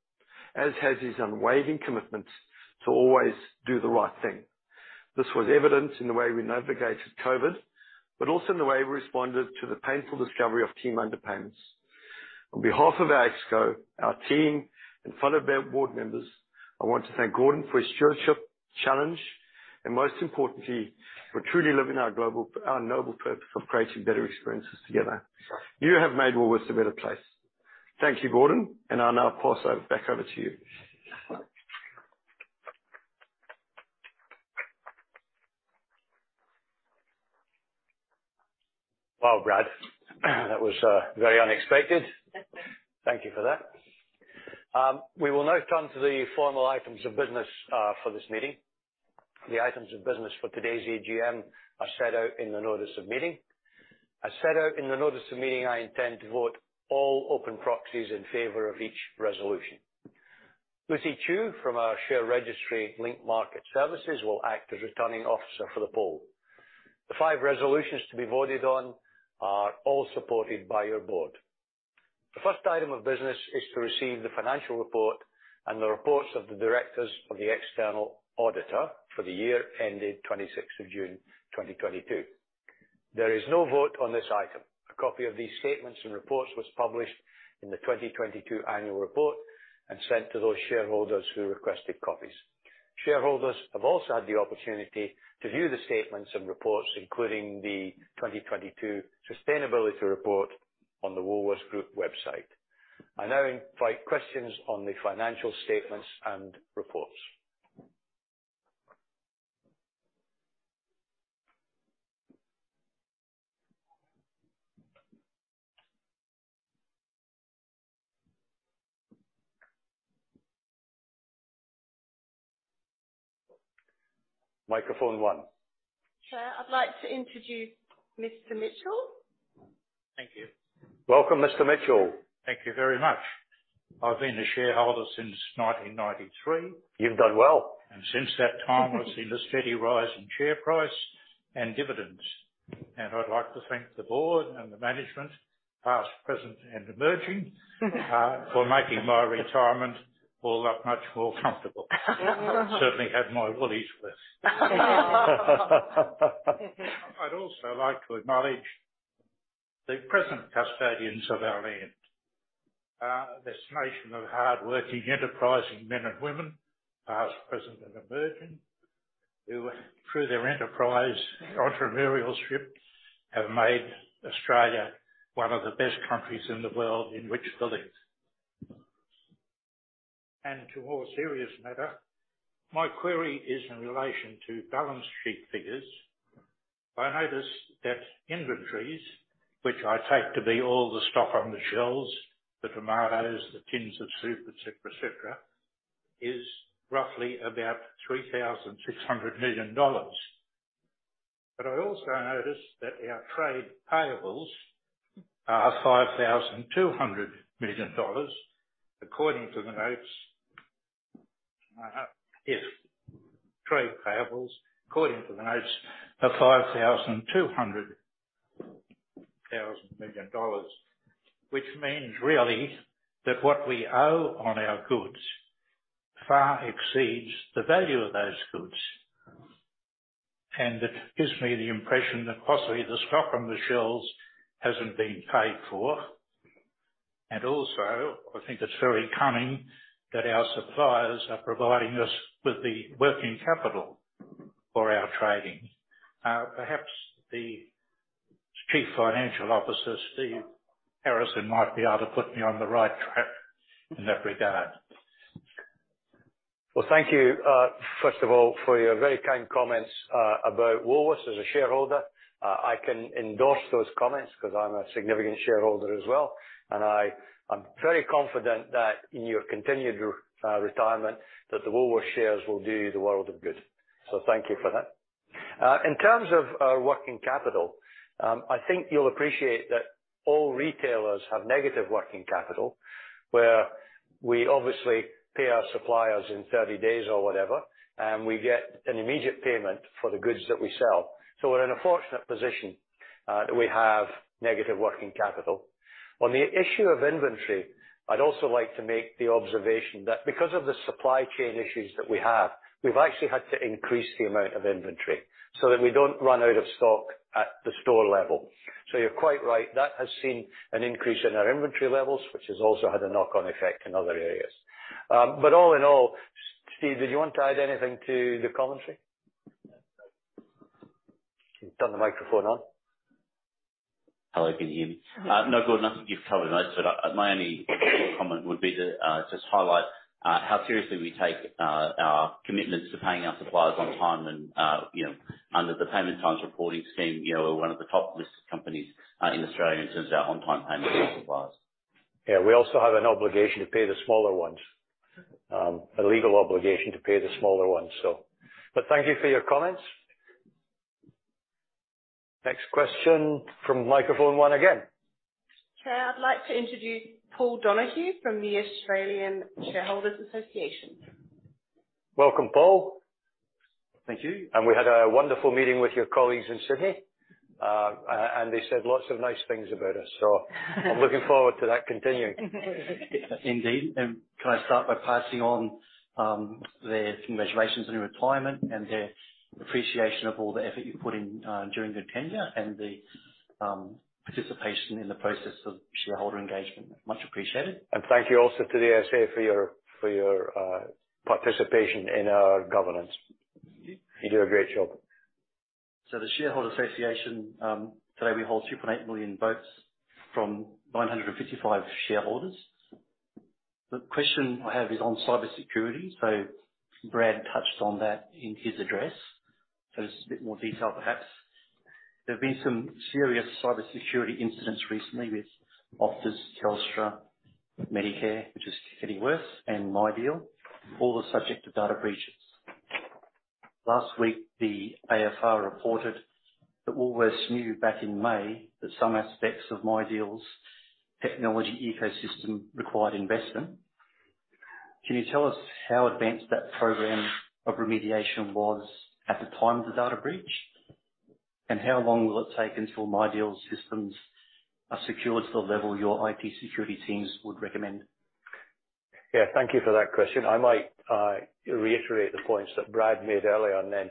as has his unwavering commitment to always do the right thing. This was evident in the way we navigated COVID, but also in the way we responded to the painful discovery of team underpayments. On behalf of our ExCo, our team, and fellow board members, I want to thank Gordon for his stewardship, challenge, and most importantly, for truly living our noble purpose of creating better experiences together. You have made Woolworths a better place. Thank you, Gordon, and I'll now pass back over to you. Well, Brad, that was very unexpected. Thank you for that. We will now turn to the formal items of business for this meeting. The items of business for today's AGM are set out in the Notice of Meeting. As set out in the Notice of Meeting, I intend to vote all open proxies in favor of each resolution. Lysa Tu, from our share registry Link Market Services, will act as Returning Officer for the poll. The five resolutions to be voted on are all supported by your board. The first item of business is to receive the financial report and the reports of the directors of the external auditor for the year ended twenty-sixth of June, twenty twenty-two. There is no vote on this item. A copy of these statements and reports was published in the 2022 annual report and sent to those shareholders who requested copies. Shareholders have also had the opportunity to view the statements and reports, including the 2022 sustainability report, on the Woolworths Group website. I now invite questions on the financial statements and reports. Microphone one. Chair, I'd like to introduce Mr. Mitchell. Thank you. Welcome, Mr. Mitchell. Thank you very much. I've been a shareholder since 1993. You've done well. Since that time, I've seen the steady rise in share price... and dividends. I'd like to thank the board and the management, past, present, and emerging, for making my retirement all that much more comfortable. Certainly had my Woollies first. I'd also like to acknowledge the present custodians of our land, this nation of hardworking, enterprising men and women, past, present, and emerging, who, through their enterprise and entrepreneurship, have made Australia one of the best countries in the world in which to live. To a more serious matter, my query is in relation to balance sheet figures. I notice that inventories, which I take to be all the stock on the shelves, the tomatoes, the tins of soup, et cetera, et cetera, is roughly about 3,600 million dollars. But I also noticed that our trade payables are AUD 5.2 billion, according to the notes. If trade payables, according to the notes, are 5.2 billion dollars, which means, really, that what we owe on our goods far exceeds the value of those goods. And it gives me the impression that possibly the stock from the shelves hasn't been paid for. And also, I think it's very cunning that our suppliers are providing us with the working capital for our trading. Perhaps the Chief Financial Officer, Stephen Harrison, might be able to put me on the right track in that regard. Well, thank you, first of all, for your very kind comments, about Woolworths as a shareholder. I can endorse those comments because I'm a significant shareholder as well, and I'm very confident that in your continued retirement, that the Woolworths shares will do you a world of good. So thank you for that. In terms of our working capital, I think you'll appreciate that all retailers have negative working capital, where we obviously pay our suppliers in thirty days or whatever, and we get an immediate payment for the goods that we sell. So we're in a fortunate position, that we have negative working capital. On the issue of inventory, I'd also like to make the observation that because of the supply chain issues that we have, we've actually had to increase the amount of inventory so that we don't run out of stock at the store level. So you're quite right, that has seen an increase in our inventory levels, which has also had a knock-on effect in other areas, but all in all... Steve, did you want to add anything to the commentary? Turn the microphone on. Hello, can you hear me? No, Gordon, I think you've covered most of it. My only comment would be to just highlight how seriously we take our commitments to paying our suppliers on time and, you know, under the payment times reporting scheme, you know, we're one of the top-listed companies in Australia in terms of our on-time payment with suppliers. Yeah, we also have an obligation to pay the smaller ones, a legal obligation to pay the smaller ones, so... But thank you for your comments. Next question from microphone one again. Okay, I'd like to introduce Paul Donohue from the Australian Shareholders Association. Welcome, Paul. Thank you. And we had a wonderful meeting with your colleagues in Sydney. They said lots of nice things about us, so I'm looking forward to that continuing. Indeed. And can I start by passing on their congratulations on your retirement and their appreciation of all the effort you put in during the demerger, and the participation in the process of shareholder engagement. Much appreciated. And thank you also to the ASA for your participation in our governance. Thank you. You do a great job. So the Australian Shareholders Association, today we hold 2.8 million votes from 955 shareholders. The question I have is on cybersecurity. So Brad touched on that in his address, so just a bit more detail, perhaps. There have been some serious cybersecurity incidents recently with Optus, Telstra, Medicare, which is getting worse, and MyDeal, all subject to data breaches. Last week, the AFR reported that Woolworths knew back in May that some aspects of MyDeal's technology ecosystem required investment. Can you tell us how advanced that program of remediation was at the time of the data breach? And how long will it take until MyDeal's systems are secured to the level your IT security teams would recommend? Yeah, thank you for that question. I might reiterate the points that Brad made earlier and then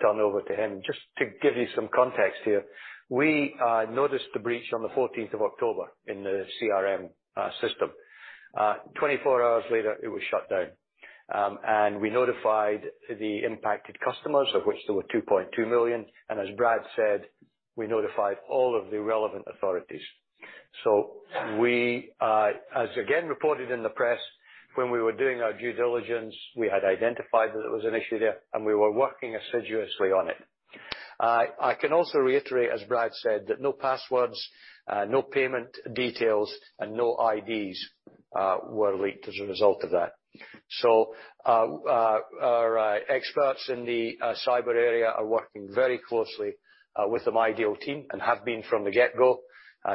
turn over to him. Just to give you some context here, we noticed the breach on the fourteenth of October in the CRM system. Twenty-four hours later, it was shut down. And we notified the impacted customers, of which there were two point two million, and as Brad said, we notified all of the relevant authorities. So we, as again reported in the press, when we were doing our due diligence, we had identified that there was an issue there, and we were working assiduously on it. I can also reiterate, as Brad said, that no passwords, no payment details, and no IDs were leaked as a result of that. Our experts in the cyber area are working very closely-... with the MyDeal team, and have been from the get-go,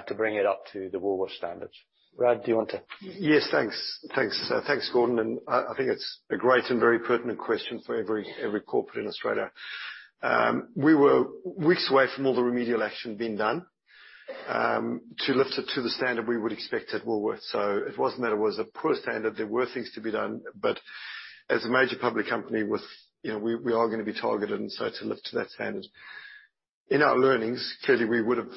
to bring it up to the Woolworths standards. Brad, do you want to? Yes, thanks. Thanks, thanks, Gordon, and I think it's a great and very pertinent question for every corporate in Australia. We were weeks away from all the remedial action being done to lift it to the standard we would expect at Woolworths. So it wasn't that it was a poor standard. There were things to be done, but as a major public company with... You know, we are gonna be targeted, and so to lift to that standard. In our learnings, clearly, we would've,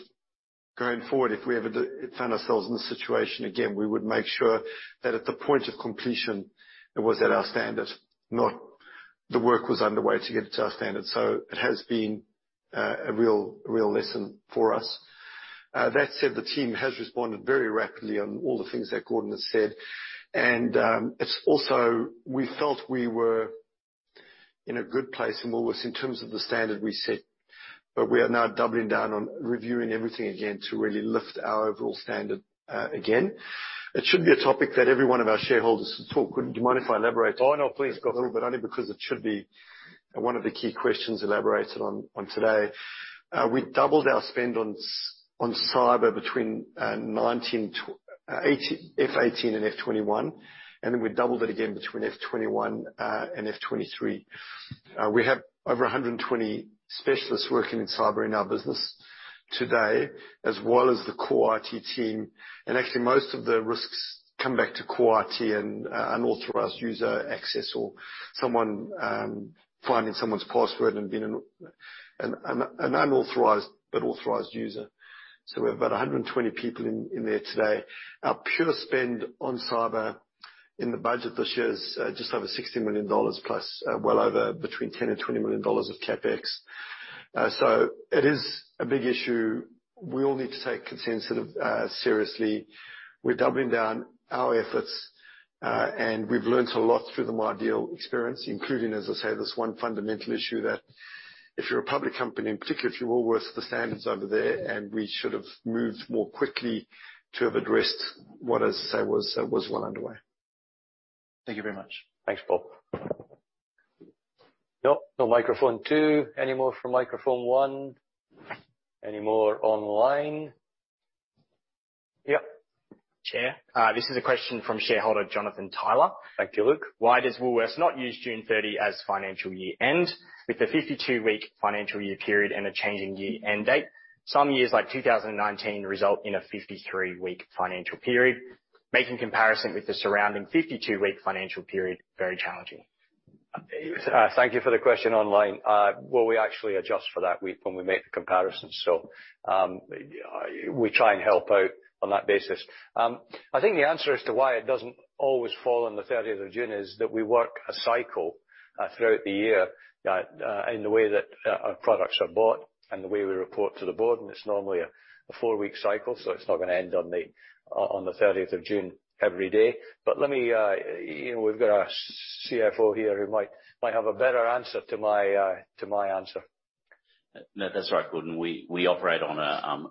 going forward, if we ever find ourselves in this situation again, we would make sure that at the point of completion, it was at our standard, not the work was underway to get it to our standard. So it has been a real lesson for us. That said, the team has responded very rapidly on all the things that Gordon has said, and it's also... We felt we were in a good place in Woolworths in terms of the standard we set, but we are now doubling down on reviewing everything again to really lift our overall standard, again. It should be a topic that every one of our shareholders talk. Would you mind if I elaborate? Oh, no, please, go for it. But only because it should be one of the key questions elaborated on today. We doubled our spend on cyber between nineteen eighteen, FY 2018 and FY 2021, and then we doubled it again between FY 2021 and FY 2023. We have over 120 specialists working in cyber in our business today, as well as the core IT team, and actually, most of the risks come back to core IT and unauthorized user access or someone finding someone's password and being an unauthorized but authorized user. So we have about 120 people in there today. Our pure spend on cyber in the budget this year is just over 60 million dollars, plus well over between 10 million and 20 million dollars of CapEx. So it is a big issue. We all need to take it sensitively, seriously. We're doubling down our efforts, and we've learned a lot through the MyDeal experience, including, as I say, this one fundamental issue that if you're a public company, in particular, if you're Woolworths, the standard's over there, and we should have moved more quickly to have addressed what I say was well underway. Thank you very much. Thanks, Paul. Nope, no microphone two. Any more from microphone one? Any more online? Yep, Chair. This is a question from shareholder Jonathan Tyler. Thank you, Luke. Why does Woolworths not use June thirty as financial year-end with a fifty-two-week financial year period and a changing year-end date? Some years, like two thousand and nineteen, result in a fifty-three-week financial period, making comparison with the surrounding fifty-two-week financial period very challenging. Thank you for the question online. Well, we actually adjust for that week when we make the comparison, so we try and help out on that basis. I think the answer as to why it doesn't always fall on the thirtieth of June is that we work a cycle throughout the year in the way that our products are bought and the way we report to the board, and it's normally a four-week cycle. So it's not gonna end on the thirtieth of June every day. But let me. You know, we've got our CFO here, who might have a better answer to my answer. No, that's right, Gordon. We operate on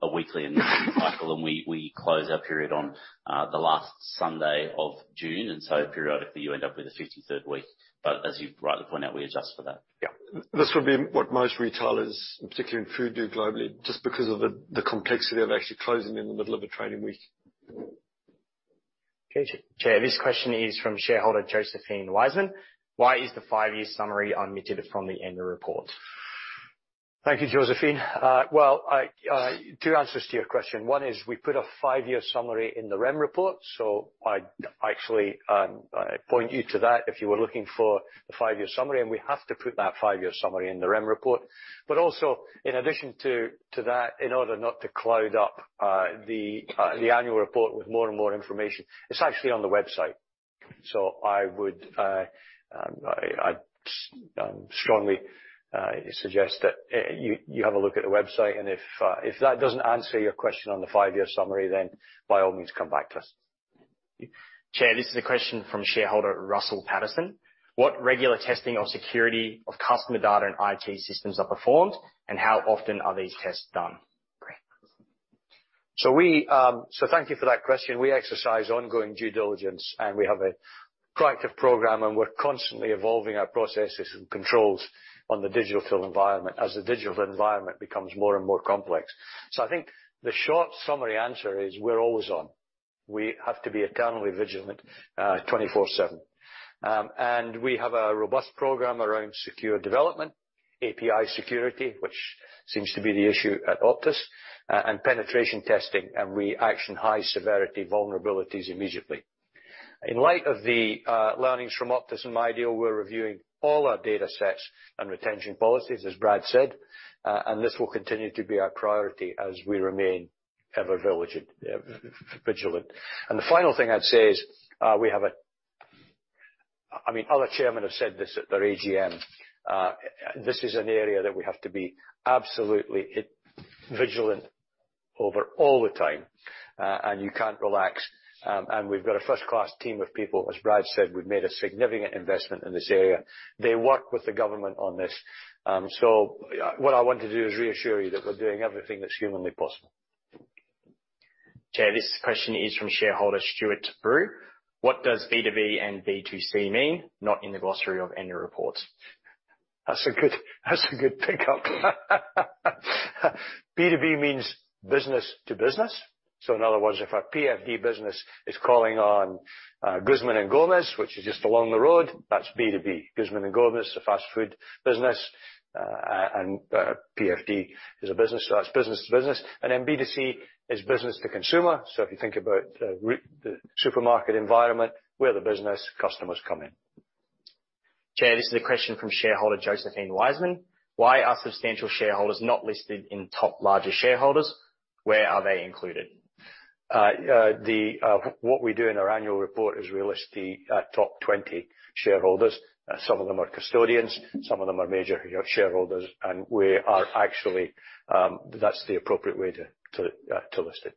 a weekly and annual cycle, and we close our period on the last Sunday of June, and so periodically, you end up with a fifty-third week, but as you rightly point out, we adjust for that. Yeah. This would be what most retailers, particularly in food, do globally, just because of the complexity of actually closing in the middle of a trading week. Okay, Chair. This question is from shareholder Josephine Wiseman: "Why is the five-year summary omitted from the annual report? Thank you, Josephine. Well, two answers to your question. One is, we put a five-year summary in the REM report, so I'd actually point you to that if you were looking for the five-year summary, and we have to put that five-year summary in the Rem report. But also, in addition to that, in order not to cloud up the annual report with more and more information, it's actually on the website. So I would strongly suggest that you have a look at the website, and if that doesn't answer your question on the five-year summary, then by all means, come back to us. Chair, this is a question from shareholder Russell Patterson: "What regular testing of security of customer data and IT systems are performed, and how often are these tests done? Thank you for that question. We exercise ongoing due diligence, and we have a proactive program, and we're constantly evolving our processes and controls on the digital environment, as the digital environment becomes more and more complex. So I think the short summary answer is, we're always on. We have to be eternally vigilant, twenty-four/seven. And we have a robust program around secure development, API security, which seems to be the issue at Optus, and penetration testing, and we action high-severity vulnerabilities immediately. In light of the learnings from Optus and MyDeal, we're reviewing all our data sets and retention policies, as Brad said, and this will continue to be our priority as we remain ever vigilant. And the final thing I'd say is, I mean, other chairmen have said this at their AGM. This is an area that we have to be absolutely vigilant over all the time, and you can't relax, and we've got a first-class team of people. As Brad said, we've made a significant investment in this area. They work with the government on this, so what I want to do is reassure you that we're doing everything that's humanly possible.... Chair, this question is from shareholder Stuart Brew: What does B2B and B2C mean? Not in the glossary of annual reports. That's a good, that's a good pickup. B2B means business to business. So in other words, if our PFD business is calling on Guzman y Gomez, which is just along the road, that's B2B. Guzman y Gomez, a fast food business, and PFD is a business, so that's business to business. And then B2C is business to consumer. So if you think about the supermarket environment, where the business customers come in. Chair, this is a question from shareholder Josephine Wiseman: Why are substantial shareholders not listed in top largest shareholders? Where are they included? What we do in our annual report is we list the top twenty shareholders. Some of them are custodians, some of them are major shareholders, and we are actually that's the appropriate way to list it.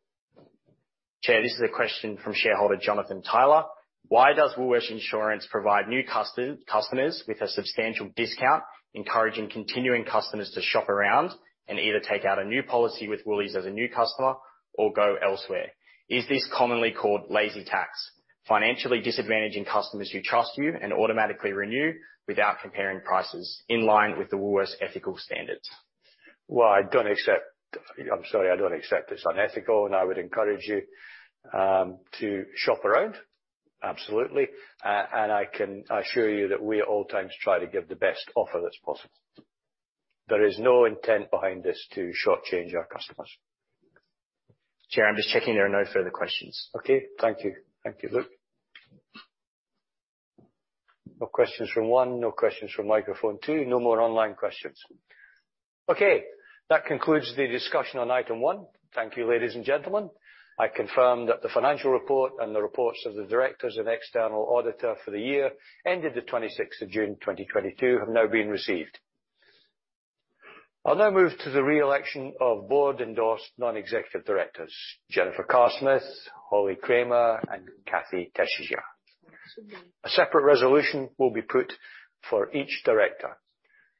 Chair, this is a question from shareholder Jonathan Tyler: Why does Woolworths Insurance provide new customers with a substantial discount, encouraging continuing customers to shop around, and either take out a new policy with Woolies as a new customer or go elsewhere? Is this commonly called lazy tax, financially disadvantaging customers who trust you and automatically renew without comparing prices in line with the Woolworths ethical standards? I'm sorry, I don't accept it's unethical, and I would encourage you to shop around, absolutely. And I can assure you that we at all times try to give the best offer that's possible. There is no intent behind this to shortchange our customers. Chair, I'm just checking. There are no further questions. Okay. Thank you. Thank you, Luke. No questions from one, no questions from microphone two, no more online questions. Okay, that concludes the discussion on item one. Thank you, ladies and gentlemen. I confirm that the financial report and the reports of the directors and external auditor for the year ended the twenty-sixth of June, twenty twenty-two, have now been received. I'll now move to the re-election of board-endorsed non-executive directors, Jennifer Carr-Smith, Holly Kramer, and Kathee Tesija. A separate resolution will be put for each director.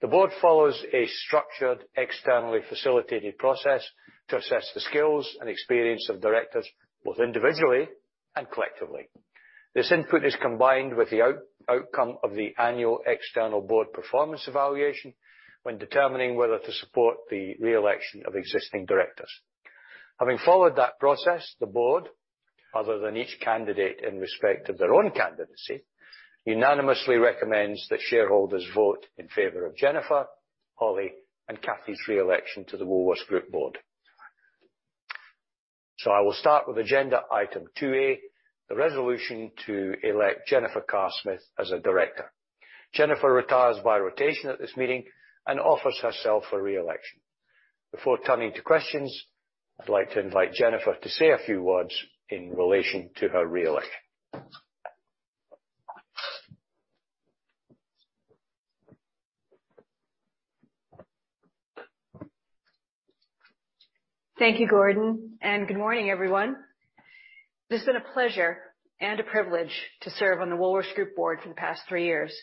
The board follows a structured, externally facilitated process to assess the skills and experience of directors, both individually and collectively. This input is combined with the outcome of the annual external board performance evaluation when determining whether to support the re-election of existing directors. Having followed that process, the board, other than each candidate in respect of their own candidacy, unanimously recommends that shareholders vote in favor of Jennifer, Holly, and Kathee's re-election to the Woolworths Group board. So I will start with agenda item 2-A, the resolution to elect Jennifer Carr-Smith as a director. Jennifer retires by rotation at this meeting and offers herself for re-election. Before turning to questions, I'd like to invite Jennifer to say a few words in relation to her re-election. Thank you, Gordon, and good morning, everyone. It's been a pleasure and a privilege to serve on the Woolworths Group board for the past three years,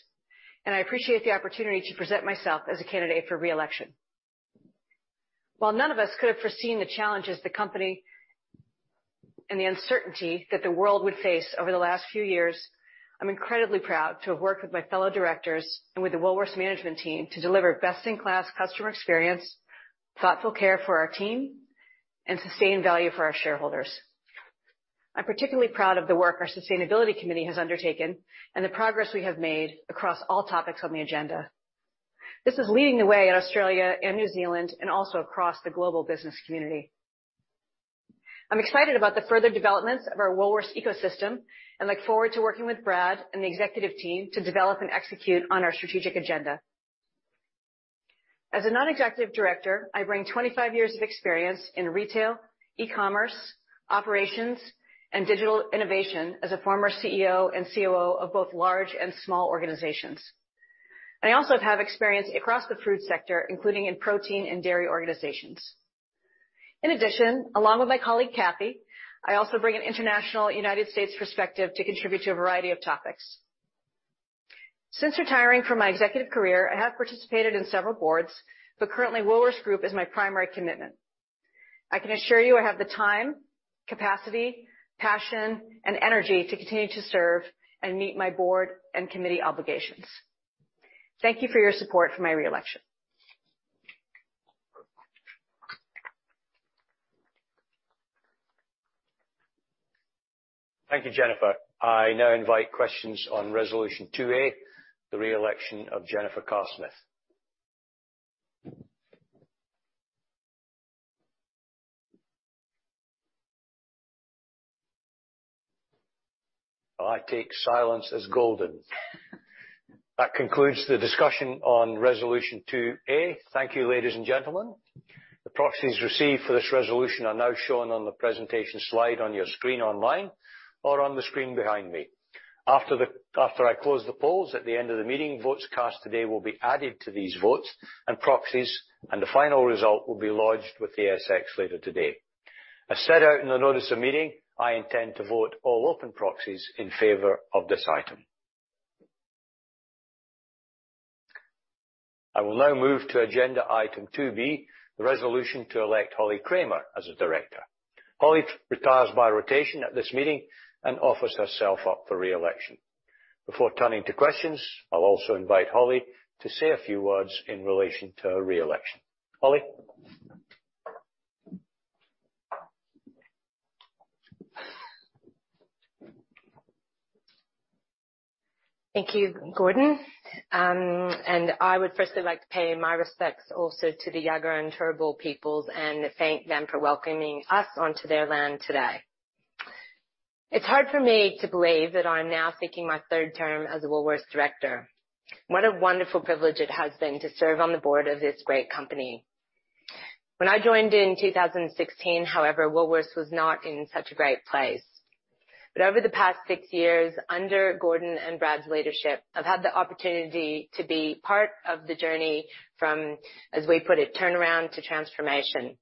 and I appreciate the opportunity to present myself as a candidate for re-election. While none of us could have foreseen the challenges the company and the uncertainty that the world would face over the last few years, I'm incredibly proud to have worked with my fellow directors and with the Woolworths management team to deliver best-in-class customer experience, thoughtful care for our team, and sustain value for our shareholders. I'm particularly proud of the work our sustainability committee has undertaken and the progress we have made across all topics on the agenda. This is leading the way in Australia and New Zealand, and also across the global business community. I'm excited about the further developments of our Woolworths ecosystem and look forward to working with Brad and the executive team to develop and execute on our strategic agenda. As a non-executive director, I bring 25 years of experience in retail, e-commerce, operations, and digital innovation as a former CEO and COO of both large and small organizations. I also have experience across the food sector, including in protein and dairy organizations. In addition, along with my colleague, Kathy, I also bring an international United States perspective to contribute to a variety of topics. Since retiring from my executive career, I have participated in several boards, but currently, Woolworths Group is my primary commitment. I can assure you I have the time, capacity, passion, and energy to continue to serve and meet my board and committee obligations. Thank you for your support for my re-election. Thank you, Jennifer. I now invite questions on resolution two-A, the re-election of Jennifer Carr-Smith. I take silence as golden. That concludes the discussion on resolution two-A. Thank you, ladies and gentlemen. The proxies received for this resolution are now shown on the presentation slide on your screen online or on the screen behind me. After I close the polls at the end of the meeting, votes cast today will be added to these votes and proxies, and the final result will be lodged with the ASX later today. As set out in the notice of meeting, I intend to vote all open proxies in favor of this item. I will now move to agenda item two B, the resolution to elect Holly Kramer as a director. Holly retires by rotation at this meeting and offers herself up for re-election. Before turning to questions, I'll also invite Holly to say a few words in relation to her re-election. Holly? Thank you, Gordon. And I would firstly like to pay my respects also to the Jagera and Turrbal peoples, and thank them for welcoming us onto their land today. It's hard for me to believe that I'm now seeking my third term as a Woolworths director. What a wonderful privilege it has been to serve on the board of this great company. When I joined in two thousand and sixteen, however, Woolworths was not in such a great place. But over the past six years, under Gordon and Brad's leadership, I've had the opportunity to be part of the journey from, as we put it, turnaround to transformation.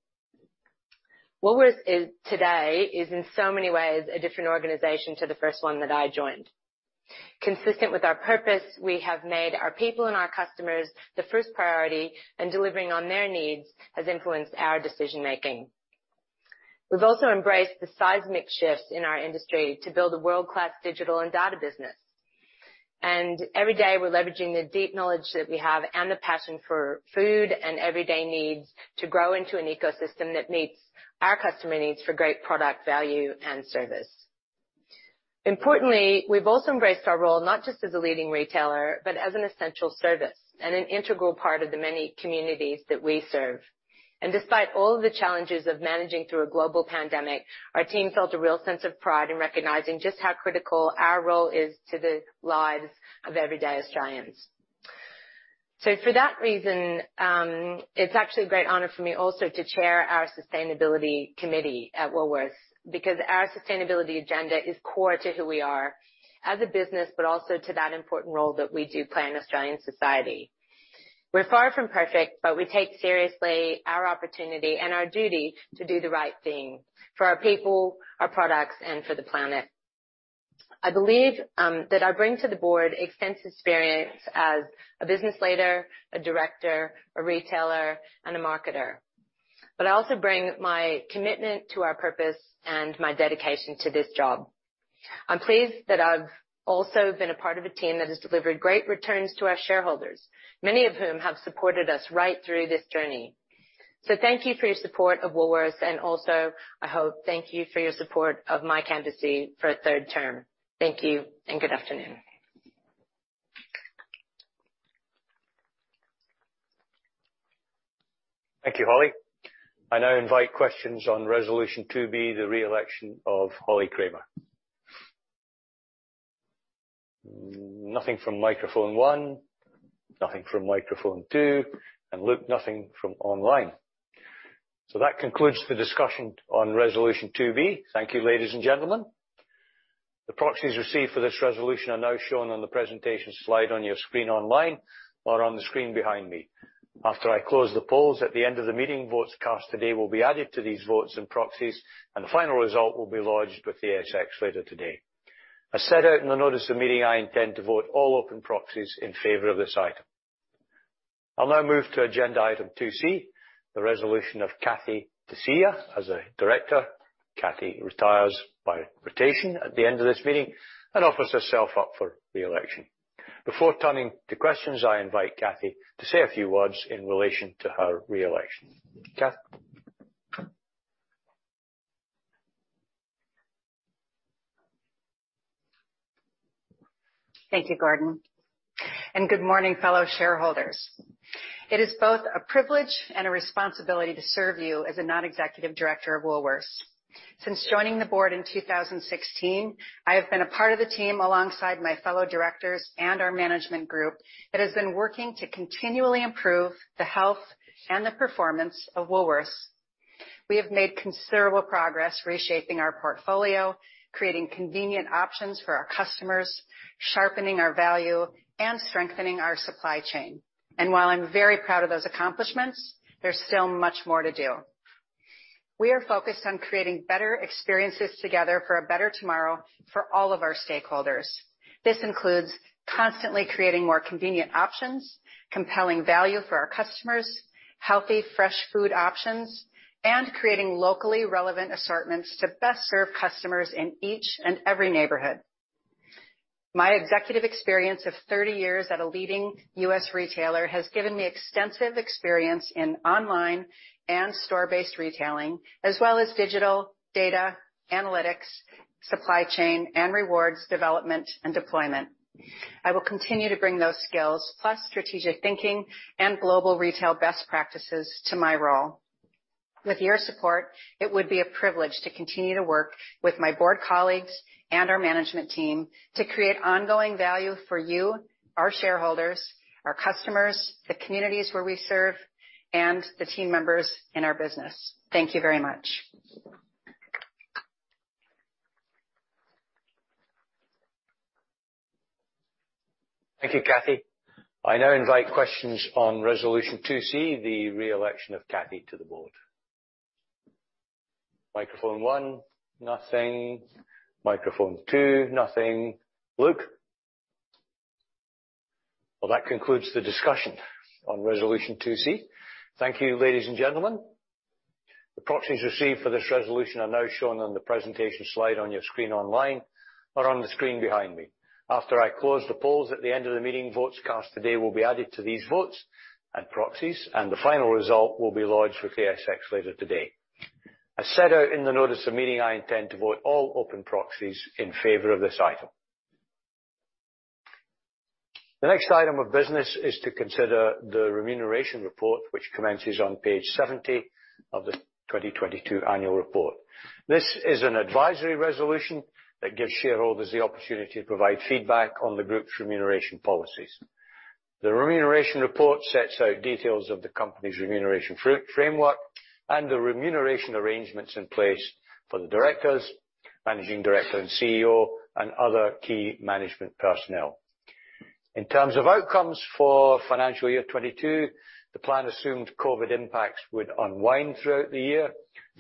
Woolworths is, today, in so many ways a different organization to the first one that I joined. Consistent with our purpose, we have made our people and our customers the first priority, and delivering on their needs has influenced our decision making. We've also embraced the seismic shifts in our industry to build a world-class digital and data business. And every day, we're leveraging the deep knowledge that we have and the passion for food and everyday needs to grow into an ecosystem that meets our customer needs for great product value and service. Importantly, we've also embraced our role not just as a leading retailer, but as an essential service and an integral part of the many communities that we serve. And despite all of the challenges of managing through a global pandemic, our team felt a real sense of pride in recognizing just how critical our role is to the lives of everyday Australians. So for that reason, it's actually a great honor for me also to chair our sustainability committee at Woolworths, because our sustainability agenda is core to who we are as a business, but also to that important role that we do play in Australian society. We're far from perfect, but we take seriously our opportunity and our duty to do the right thing for our people, our products, and for the planet. I believe that I bring to the board extensive experience as a business leader, a director, a retailer, and a marketer, but I also bring my commitment to our purpose and my dedication to this job. I'm pleased that I've also been a part of a team that has delivered great returns to our shareholders, many of whom have supported us right through this journey. So thank you for your support of Woolworths, and also, I hope, thank you for your support of my candidacy for a third term. Thank you, and good afternoon. Thank you, Holly. I now invite questions on resolution two B, the re-election of Holly Kramer. Nothing from microphone one, nothing from microphone two, and Luke, nothing from online. So that concludes the discussion on resolution two B. Thank you, ladies and gentlemen. The proxies received for this resolution are now shown on the presentation slide on your screen online or on the screen behind me. After I close the polls, at the end of the meeting, votes cast today will be added to these votes and proxies, and the final result will be lodged with the ASX later today. As set out in the notice of the meeting, I intend to vote all open proxies in favor of this item. I'll now move to agenda item two C, the re-election of Kathee Tesija as a director. Kathy retires by rotation at the end of this meeting and offers herself up for re-election. Before turning to questions, I invite Kathy to say a few words in relation to her re-election. Kathy? Thank you, Gordon, and good morning, fellow shareholders. It is both a privilege and a responsibility to serve you as a non-executive director of Woolworths. Since joining the board in 2016, I have been a part of the team alongside my fellow directors and our management group, that has been working to continually improve the health and the performance of Woolworths. We have made considerable progress reshaping our portfolio, creating convenient options for our customers, sharpening our value, and strengthening our supply chain. And while I'm very proud of those accomplishments, there's still much more to do. We are focused on creating better experiences together for a better tomorrow for all of our stakeholders. This includes constantly creating more convenient options, compelling value for our customers, healthy, fresh food options, and creating locally relevant assortments to best serve customers in each and every neighborhood. My executive experience of thirty years at a leading U.S. retailer has given me extensive experience in online and store-based retailing, as well as digital, data, analytics, supply chain, and rewards development and deployment. I will continue to bring those skills, plus strategic thinking and global retail best practices to my role. With your support, it would be a privilege to continue to work with my board colleagues and our management team to create ongoing value for you, our shareholders, our customers, the communities where we serve, and the team members in our business. Thank you very much. Thank you, Kathy. I now invite questions on resolution two C, the re-election of Kathy to the board. Microphone one, nothing. Microphone two, nothing. Luke? That concludes the discussion on Resolution two C. Thank you, ladies and gentlemen. The proxies received for this resolution are now shown on the presentation slide on your screen online, or on the screen behind me. After I close the polls at the end of the meeting, votes cast today will be added to these votes and proxies, and the final result will be lodged with ASX later today. As set out in the notice of meeting, I intend to vote all open proxies in favor of this item. The next item of business is to consider the remuneration report, which commences on page 70 of the 2022 annual report. This is an advisory resolution that gives shareholders the opportunity to provide feedback on the group's remuneration policies. The remuneration report sets out details of the company's remuneration framework and the remuneration arrangements in place for the directors, Managing Director and CEO, and other key management personnel. In terms of outcomes for financial year 2022, the plan assumed COVID impacts would unwind throughout the year.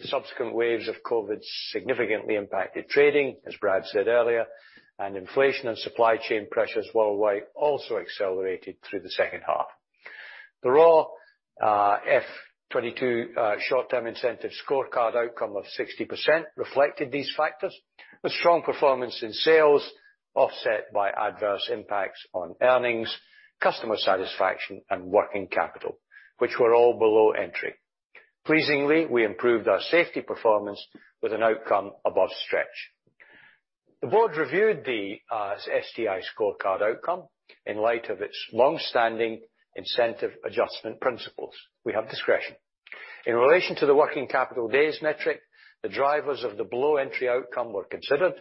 Subsequent waves of COVID significantly impacted trading, as Brad said earlier, and inflation and supply chain pressures worldwide also accelerated through the second half. The raw FY 2022 short-term incentive scorecard outcome of 60% reflected these factors, with strong performance in sales, offset by adverse impacts on earnings, customer satisfaction, and working capital, which were all below entry. Pleasingly, we improved our safety performance with an outcome above stretch. The board reviewed the STI scorecard outcome in light of its long-standing incentive adjustment principles. We have discretion. In relation to the working capital days metric, the drivers of the below entry outcome were considered,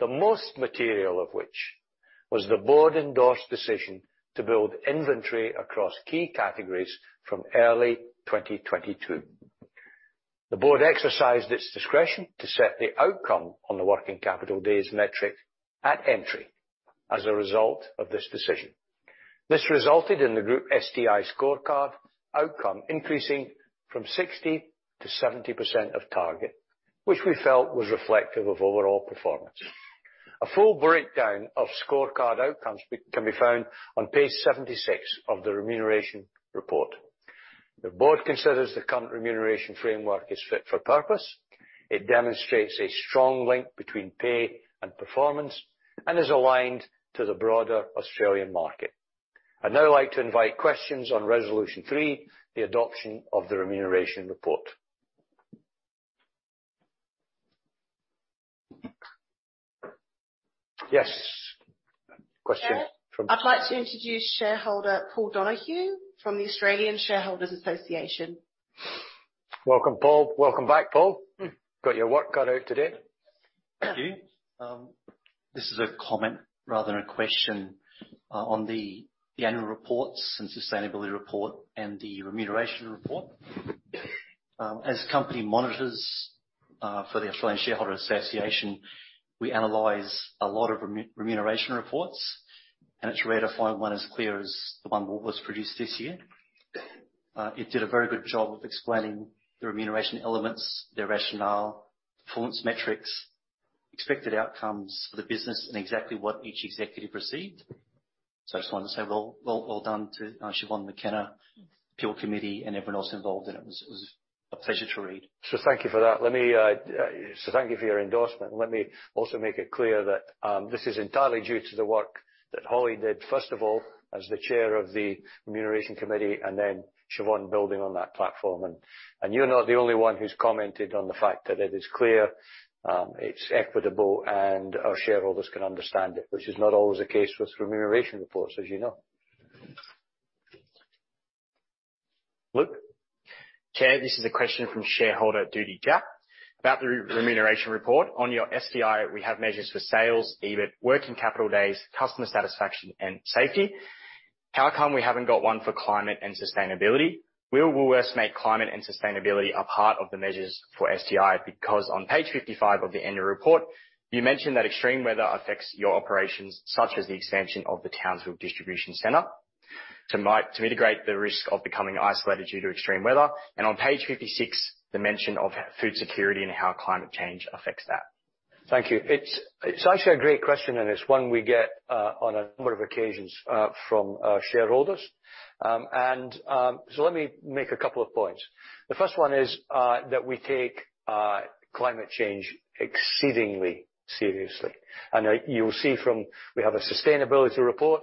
the most material of which was the board-endorsed decision to build inventory across key categories from early 2022. The board exercised its discretion to set the outcome on the working capital days metric at entry as a result of this decision. This resulted in the group STI scorecard outcome increasing from 60 to 70% of target, which we felt was reflective of overall performance. A full breakdown of scorecard outcomes can be found on page 76 of the remuneration report. The board considers the current remuneration framework is fit for purpose. It demonstrates a strong link between pay and performance and is aligned to the broader Australian market. I'd now like to invite questions on Resolution three, the adoption of the remuneration report. Yes, question from- I'd like to introduce shareholder, Paul Donohue, from the Australian Shareholders Association. Welcome, Paul. Welcome back, Paul. Got your work cut out today. Thank you. This is a comment rather than a question on the annual reports and sustainability report and the remuneration report. As company monitors for the Australian Shareholders Association, we analyze a lot of remuneration reports, and it's rare to find one as clear as the one that was produced this year. It did a very good job of explaining the remuneration elements, the rationale, performance metrics, expected outcomes for the business, and exactly what each executive received. So I just wanted to say well, well, well done to Siobhan McKenna, the People Committee, and everyone else involved in it. It was a pleasure to read. Thank you for that. So thank you for your endorsement. Let me also make it clear that this is entirely due to the work that Holly did, first of all, as the chair of the Remuneration Committee, and then Siobhan building on that platform. And you're not the only one who's commented on the fact that it is clear, it's equitable, and our shareholders can understand it, which is not always the case with remuneration reports, as you know. Chair, this is a question from shareholder Judy Jack about the remuneration report. On your STI, we have measures for sales, EBIT, working capital days, customer satisfaction, and safety. How come we haven't got one for climate and sustainability? Will Woolworths make climate and sustainability a part of the measures for STI? Because on page 55 of the annual report, you mentioned that extreme weather affects your operations, such as the expansion of the Townsville Distribution Centre, to mitigate the risk of becoming isolated due to extreme weather. And on page 56, the mention of food security and how climate change affects that. Thank you. It's actually a great question, and it's one we get on a number of occasions from our shareholders, so let me make a couple of points. The first one is that we take climate change exceedingly seriously, and you'll see from... We have a sustainability report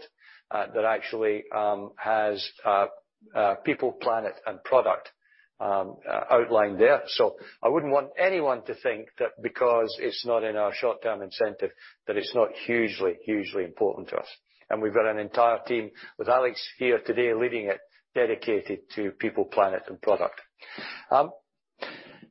that actually has people, planet, and product outlined there, so I wouldn't want anyone to think that because it's not in our short-term incentive, that it's not hugely, hugely important to us, and we've got an entire team, with Alex here today, leading it, dedicated to people, planet, and product.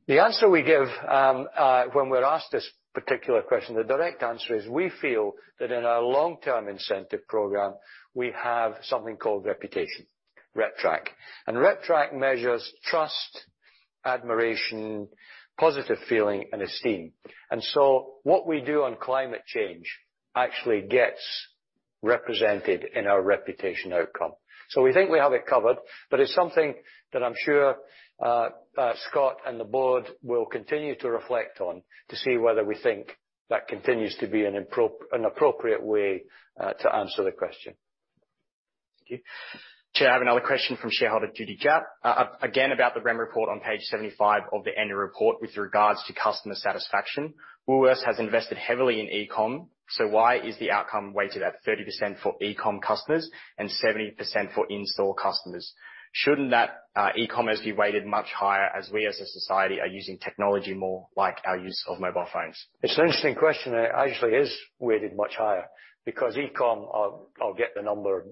The answer we give when we're asked this particular question, the direct answer is: we feel that in our long-term incentive program, we have something called reputation, RepTrak. And RepTrak measures trust, admiration, positive feeling, and esteem. And so what we do on climate change actually gets represented in our reputation outcome. So we think we have it covered, but it's something that I'm sure Scott and the board will continue to reflect on to see whether we think that continues to be an appropriate way to answer the question. Thank you. Chair, I have another question from shareholder Judy Jack. Again, about the RepTrak report on page 75 of the annual report with regards to customer satisfaction. Woolworths has invested heavily in e-com, so why is the outcome weighted at 30% for e-com customers and 70% for in-store customers? Shouldn't that, e-commerce be weighted much higher as we, as a society, are using technology more like our use of mobile phones? It's an interesting question. It actually is weighted much higher because e-com, I'll get the number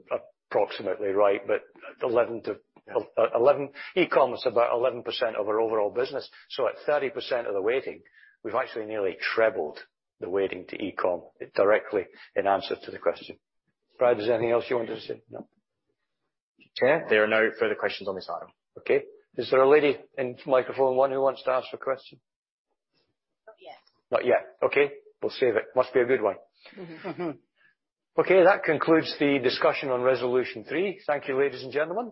approximately right, but eleven-- E-com is about 11% of our overall business, so at 30% of the weighting, we've actually nearly trebled the weighting to e-com directly in answer to the question. Brad, is there anything else you want to say? No. Okay. There are no further questions on this item. Okay. Is there a lady in microphone one who wants to ask a question? Not yet. Not yet. Okay, we'll save it. Must be a good one. Mm-hmm. Okay, that concludes the discussion on resolution three. Thank you, ladies and gentlemen.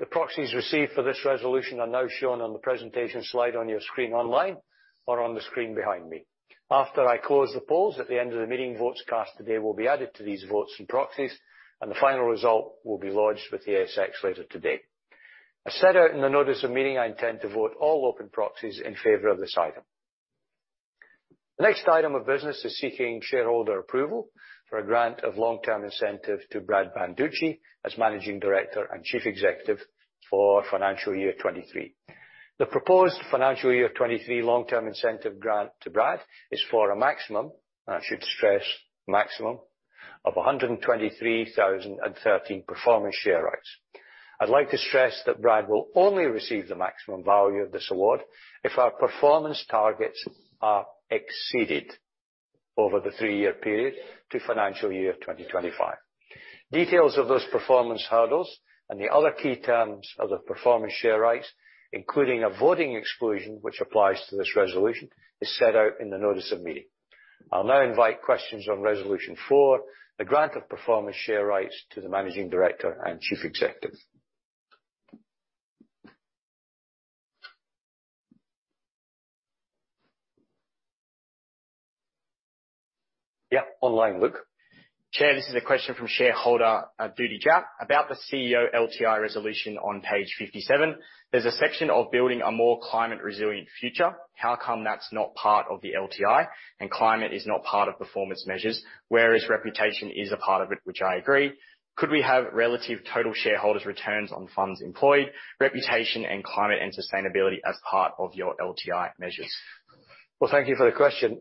The proxies received for this resolution are now shown on the presentation slide on your screen online or on the screen behind me. After I close the polls at the end of the meeting, votes cast today will be added to these votes and proxies, and the final result will be lodged with the ASX later today. As set out in the notice of meeting, I intend to vote all open proxies in favor of this item. The next item of business is seeking shareholder approval for a grant of long-term incentive to Brad Banducci as Managing Director and Chief Executive for financial year twenty-three. The proposed financial year twenty-three long-term incentive grant to Brad is for a maximum, and I should stress, maximum, of one hundred and twenty-three thousand and thirteen performance share rights. I'd like to stress that Brad will only receive the maximum value of this award if our performance targets are exceeded over the three-year period to financial year 2025. Details of those performance hurdles and the other key terms of the performance share rights, including a voting exclusion, which applies to this resolution, is set out in the notice of meeting. I'll now invite questions on resolution four, the grant of performance share rights to the Managing Director and Chief Executive. Yeah. Online, Luke. Chair, this is a question from shareholder Judy Jack about the CEO LTI resolution on page 57. There's a section of building a more climate resilient future. How come that's not part of the LTI, and climate is not part of performance measures, whereas reputation is a part of it, which I agree? Could we have relative total shareholder return on funds employed, reputation, and climate and sustainability as part of your LTI measures? Thank you for the question.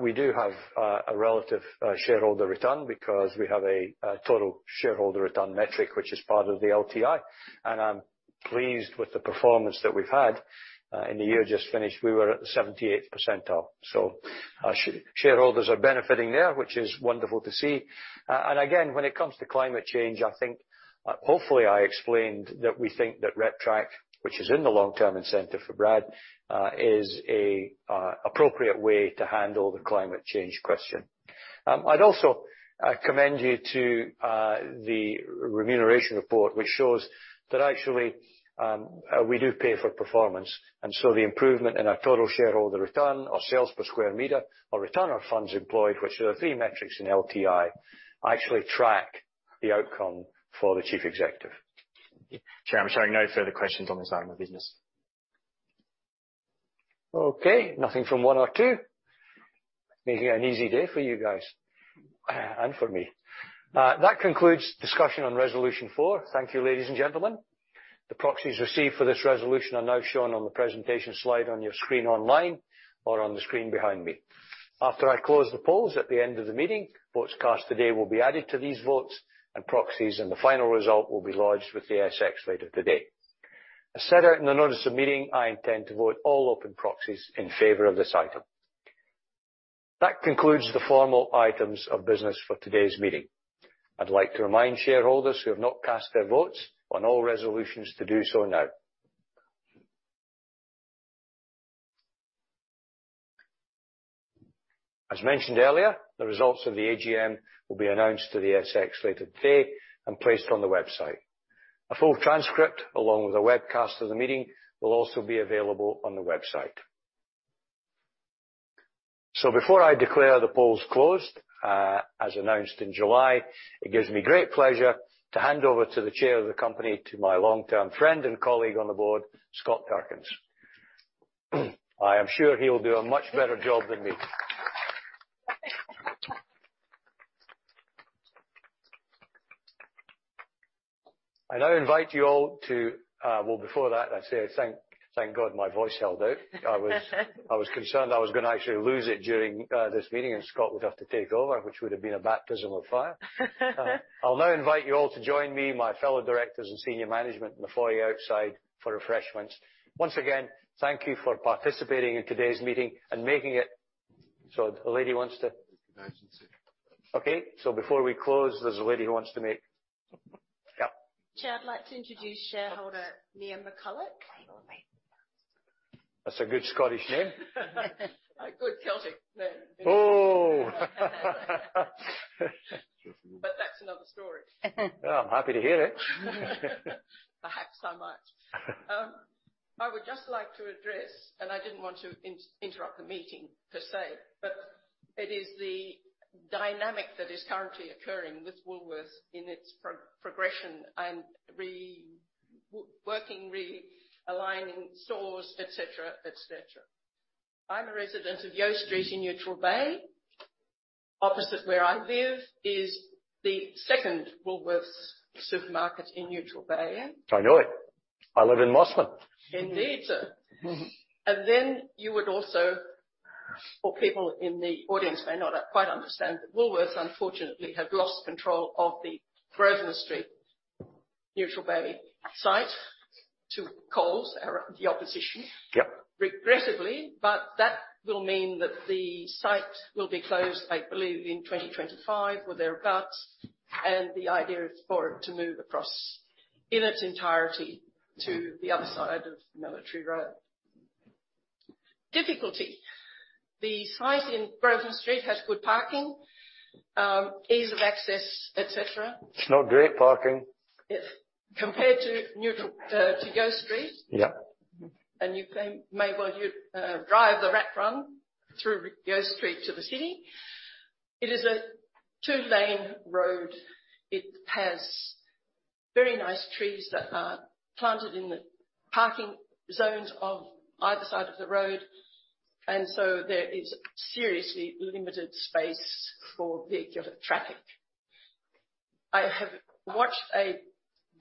We do have a relative shareholder return because we have a total shareholder return metric, which is part of the LTI, and I'm pleased with the performance that we've had. In the year just finished, we were at the 78th percentile, so our shareholders are benefiting there, which is wonderful to see. And again, when it comes to climate change, I think, hopefully, I explained that we think that RepTrack, which is in the long-term incentive for Brad, is an appropriate way to handle the climate change question. I'd also commend you to the remuneration report, which shows that actually we do pay for performance, and so the improvement in our total shareholder return or sales per square meter or return on funds employed, which are the three metrics in LTI, actually track the outcome for the chief executive. Chair, I'm showing no further questions on this item of business. Okay, nothing from one or two. Making an easy day for you guys, and for me. That concludes discussion on resolution four. Thank you, ladies and gentlemen. The proxies received for this resolution are now shown on the presentation slide on your screen online or on the screen behind me. After I close the polls at the end of the meeting, votes cast today will be added to these votes and proxies, and the final result will be lodged with the ASX later today. As set out in the notice of meeting, I intend to vote all open proxies in favor of this item. That concludes the formal items of business for today's meeting. I'd like to remind shareholders who have not cast their votes on all resolutions to do so now. As mentioned earlier, the results of the AGM will be announced to the ASX later today and placed on the website. A full transcript, along with a webcast of the meeting, will also be available on the website. Before I declare the polls closed, as announced in July, it gives me great pleasure to hand over to the Chair of the company, to my long-term friend and colleague on the board, Scott Perkins. I am sure he will do a much better job than me. I now invite you all to... Well, before that, I'd say, I thank, thank God, my voice held out. I was concerned I was gonna actually lose it during this meeting, and Scott would have to take over, which would have been a baptism of fire. I'll now invite you all to join me, my fellow directors and senior management, in the foyer outside for refreshments. Once again, thank you for participating in today's meeting and making it- So the lady wants to- Agency. Okay, so before we close, there's a lady who wants to make- ... Chad, I'd like to introduce shareholder, Mia McCullough. That's a good Scottish name. A good Celtic name. Oh! But that's another story. I'm happy to hear it. Perhaps I might. I would just like to address, and I didn't want to interrupt the meeting, per se, but it is the dynamic that is currently occurring with Woolworths in its progression and reworking, realigning stores, et cetera, et cetera. I'm a resident of Yeo Street in Neutral Bay. Opposite where I live is the second Woolworths supermarket in Neutral Bay. I know it. I live in Mosman. Indeed, sir. Mm-hmm. And then you would also... Or people in the audience may not quite understand that Woolworths, unfortunately, have lost control of the Grosvenor Street, Neutral Bay site to Coles, our, the opposition- Yep... regrettably, but that will mean that the site will be closed, I believe, in 2025 or thereabouts, and the idea is for it to move across, in its entirety, to the other side of Military Road. Difficulty: the site in Grosvenor Street has good parking, ease of access, et cetera. It's not great parking. Yes. Compared to Neutral Bay to Yeo Street- Yeah. and you can may well drive the rat run through Yeo Street to the city. It is a two-lane road. It has very nice trees that are planted in the parking zones of either side of the road, and so there is seriously limited space for vehicular traffic. I have watched a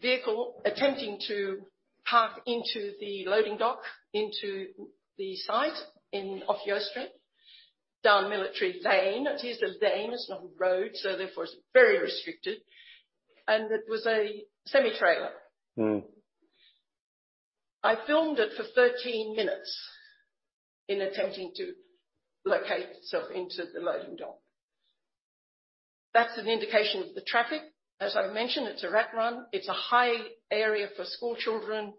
vehicle attempting to park into the loading dock, into the site off Yeo Street, down Military Lane. It is a lane, it's not a road, so therefore it's very restricted, and it was a semi-trailer. Mm. I filmed it for thirteen minutes in attempting to locate itself into the loading dock. That's an indication of the traffic. As I've mentioned, it's a rat run. It's a high area for schoolchildren.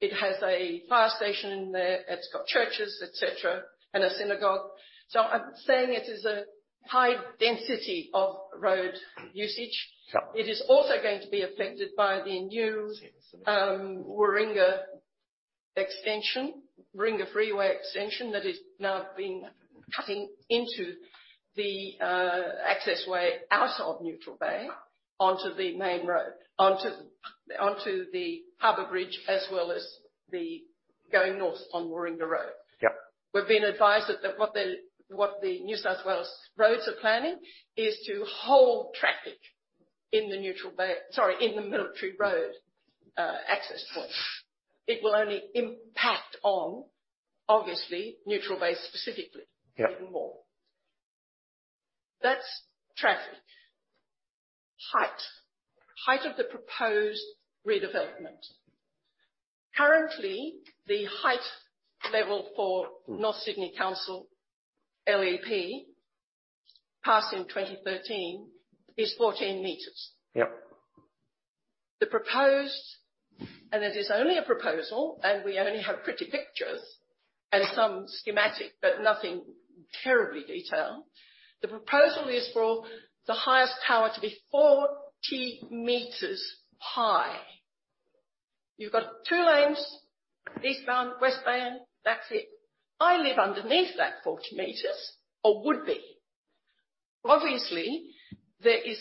It has a fire station there, it's got churches, et cetera, and a synagogue. So I'm saying it is a high density of road usage. Sure. It is also going to be affected by the new Warringah Freeway extension that is now cutting into the access way out of Neutral Bay, onto the main road, onto the Harbor Bridge, as well as the going north on Warringah Road. Yep. We've been advised that what the New South Wales roads are planning is to hold traffic in the Neutral Bay. Sorry, in the Military Road access point. It will only impact on, obviously, Neutral Bay, specifically- Yep Even more. That's traffic. Height. Height of the proposed redevelopment. Currently, the height level for- Mm... North Sydney Council, LEP, passed in 2013, is 14 meters. Yep. The proposed, and it is only a proposal, and we only have pretty pictures and some schematic, but nothing terribly detailed. The proposal is for the highest tower to be 40 meters high. You've got two lanes, eastbound, westbound, that's it. I live underneath that 40 meters, or would be. Obviously, there is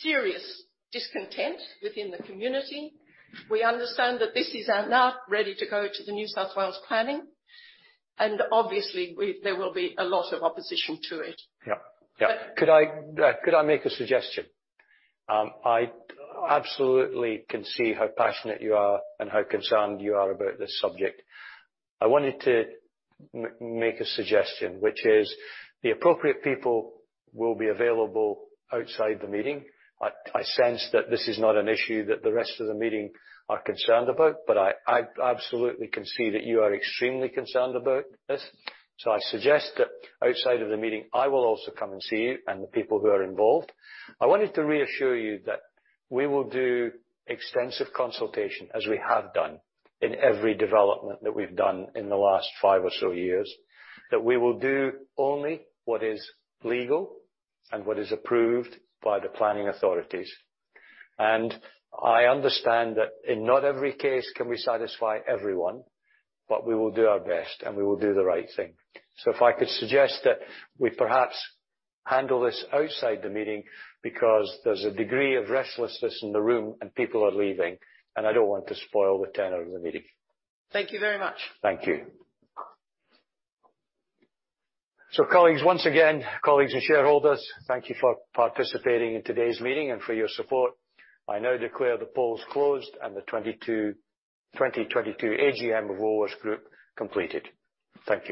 serious discontent within the community. We understand that this is now ready to go to the New South Wales Planning, and obviously we, there will be a lot of opposition to it. Yeah. Yeah. But- Could I make a suggestion? I absolutely can see how passionate you are and how concerned you are about this subject. I wanted to make a suggestion, which is, the appropriate people will be available outside the meeting. I sense that this is not an issue that the rest of the meeting are concerned about, but I absolutely can see that you are extremely concerned about this. So I suggest that outside of the meeting, I will also come and see you and the people who are involved. I wanted to reassure you that we will do extensive consultation, as we have done in every development that we've done in the last five or so years. That we will do only what is legal and what is approved by the planning authorities. I understand that in not every case can we satisfy everyone, but we will do our best, and we will do the right thing. If I could suggest that we perhaps handle this outside the meeting, because there's a degree of restlessness in the room, and people are leaving, and I don't want to spoil the tenor of the meeting. Thank you very much. Thank you. So colleagues, once again, colleagues and shareholders, thank you for participating in today's meeting and for your support. I now declare the poll is closed and the 2022 AGM of Woolworths Group completed. Thank you.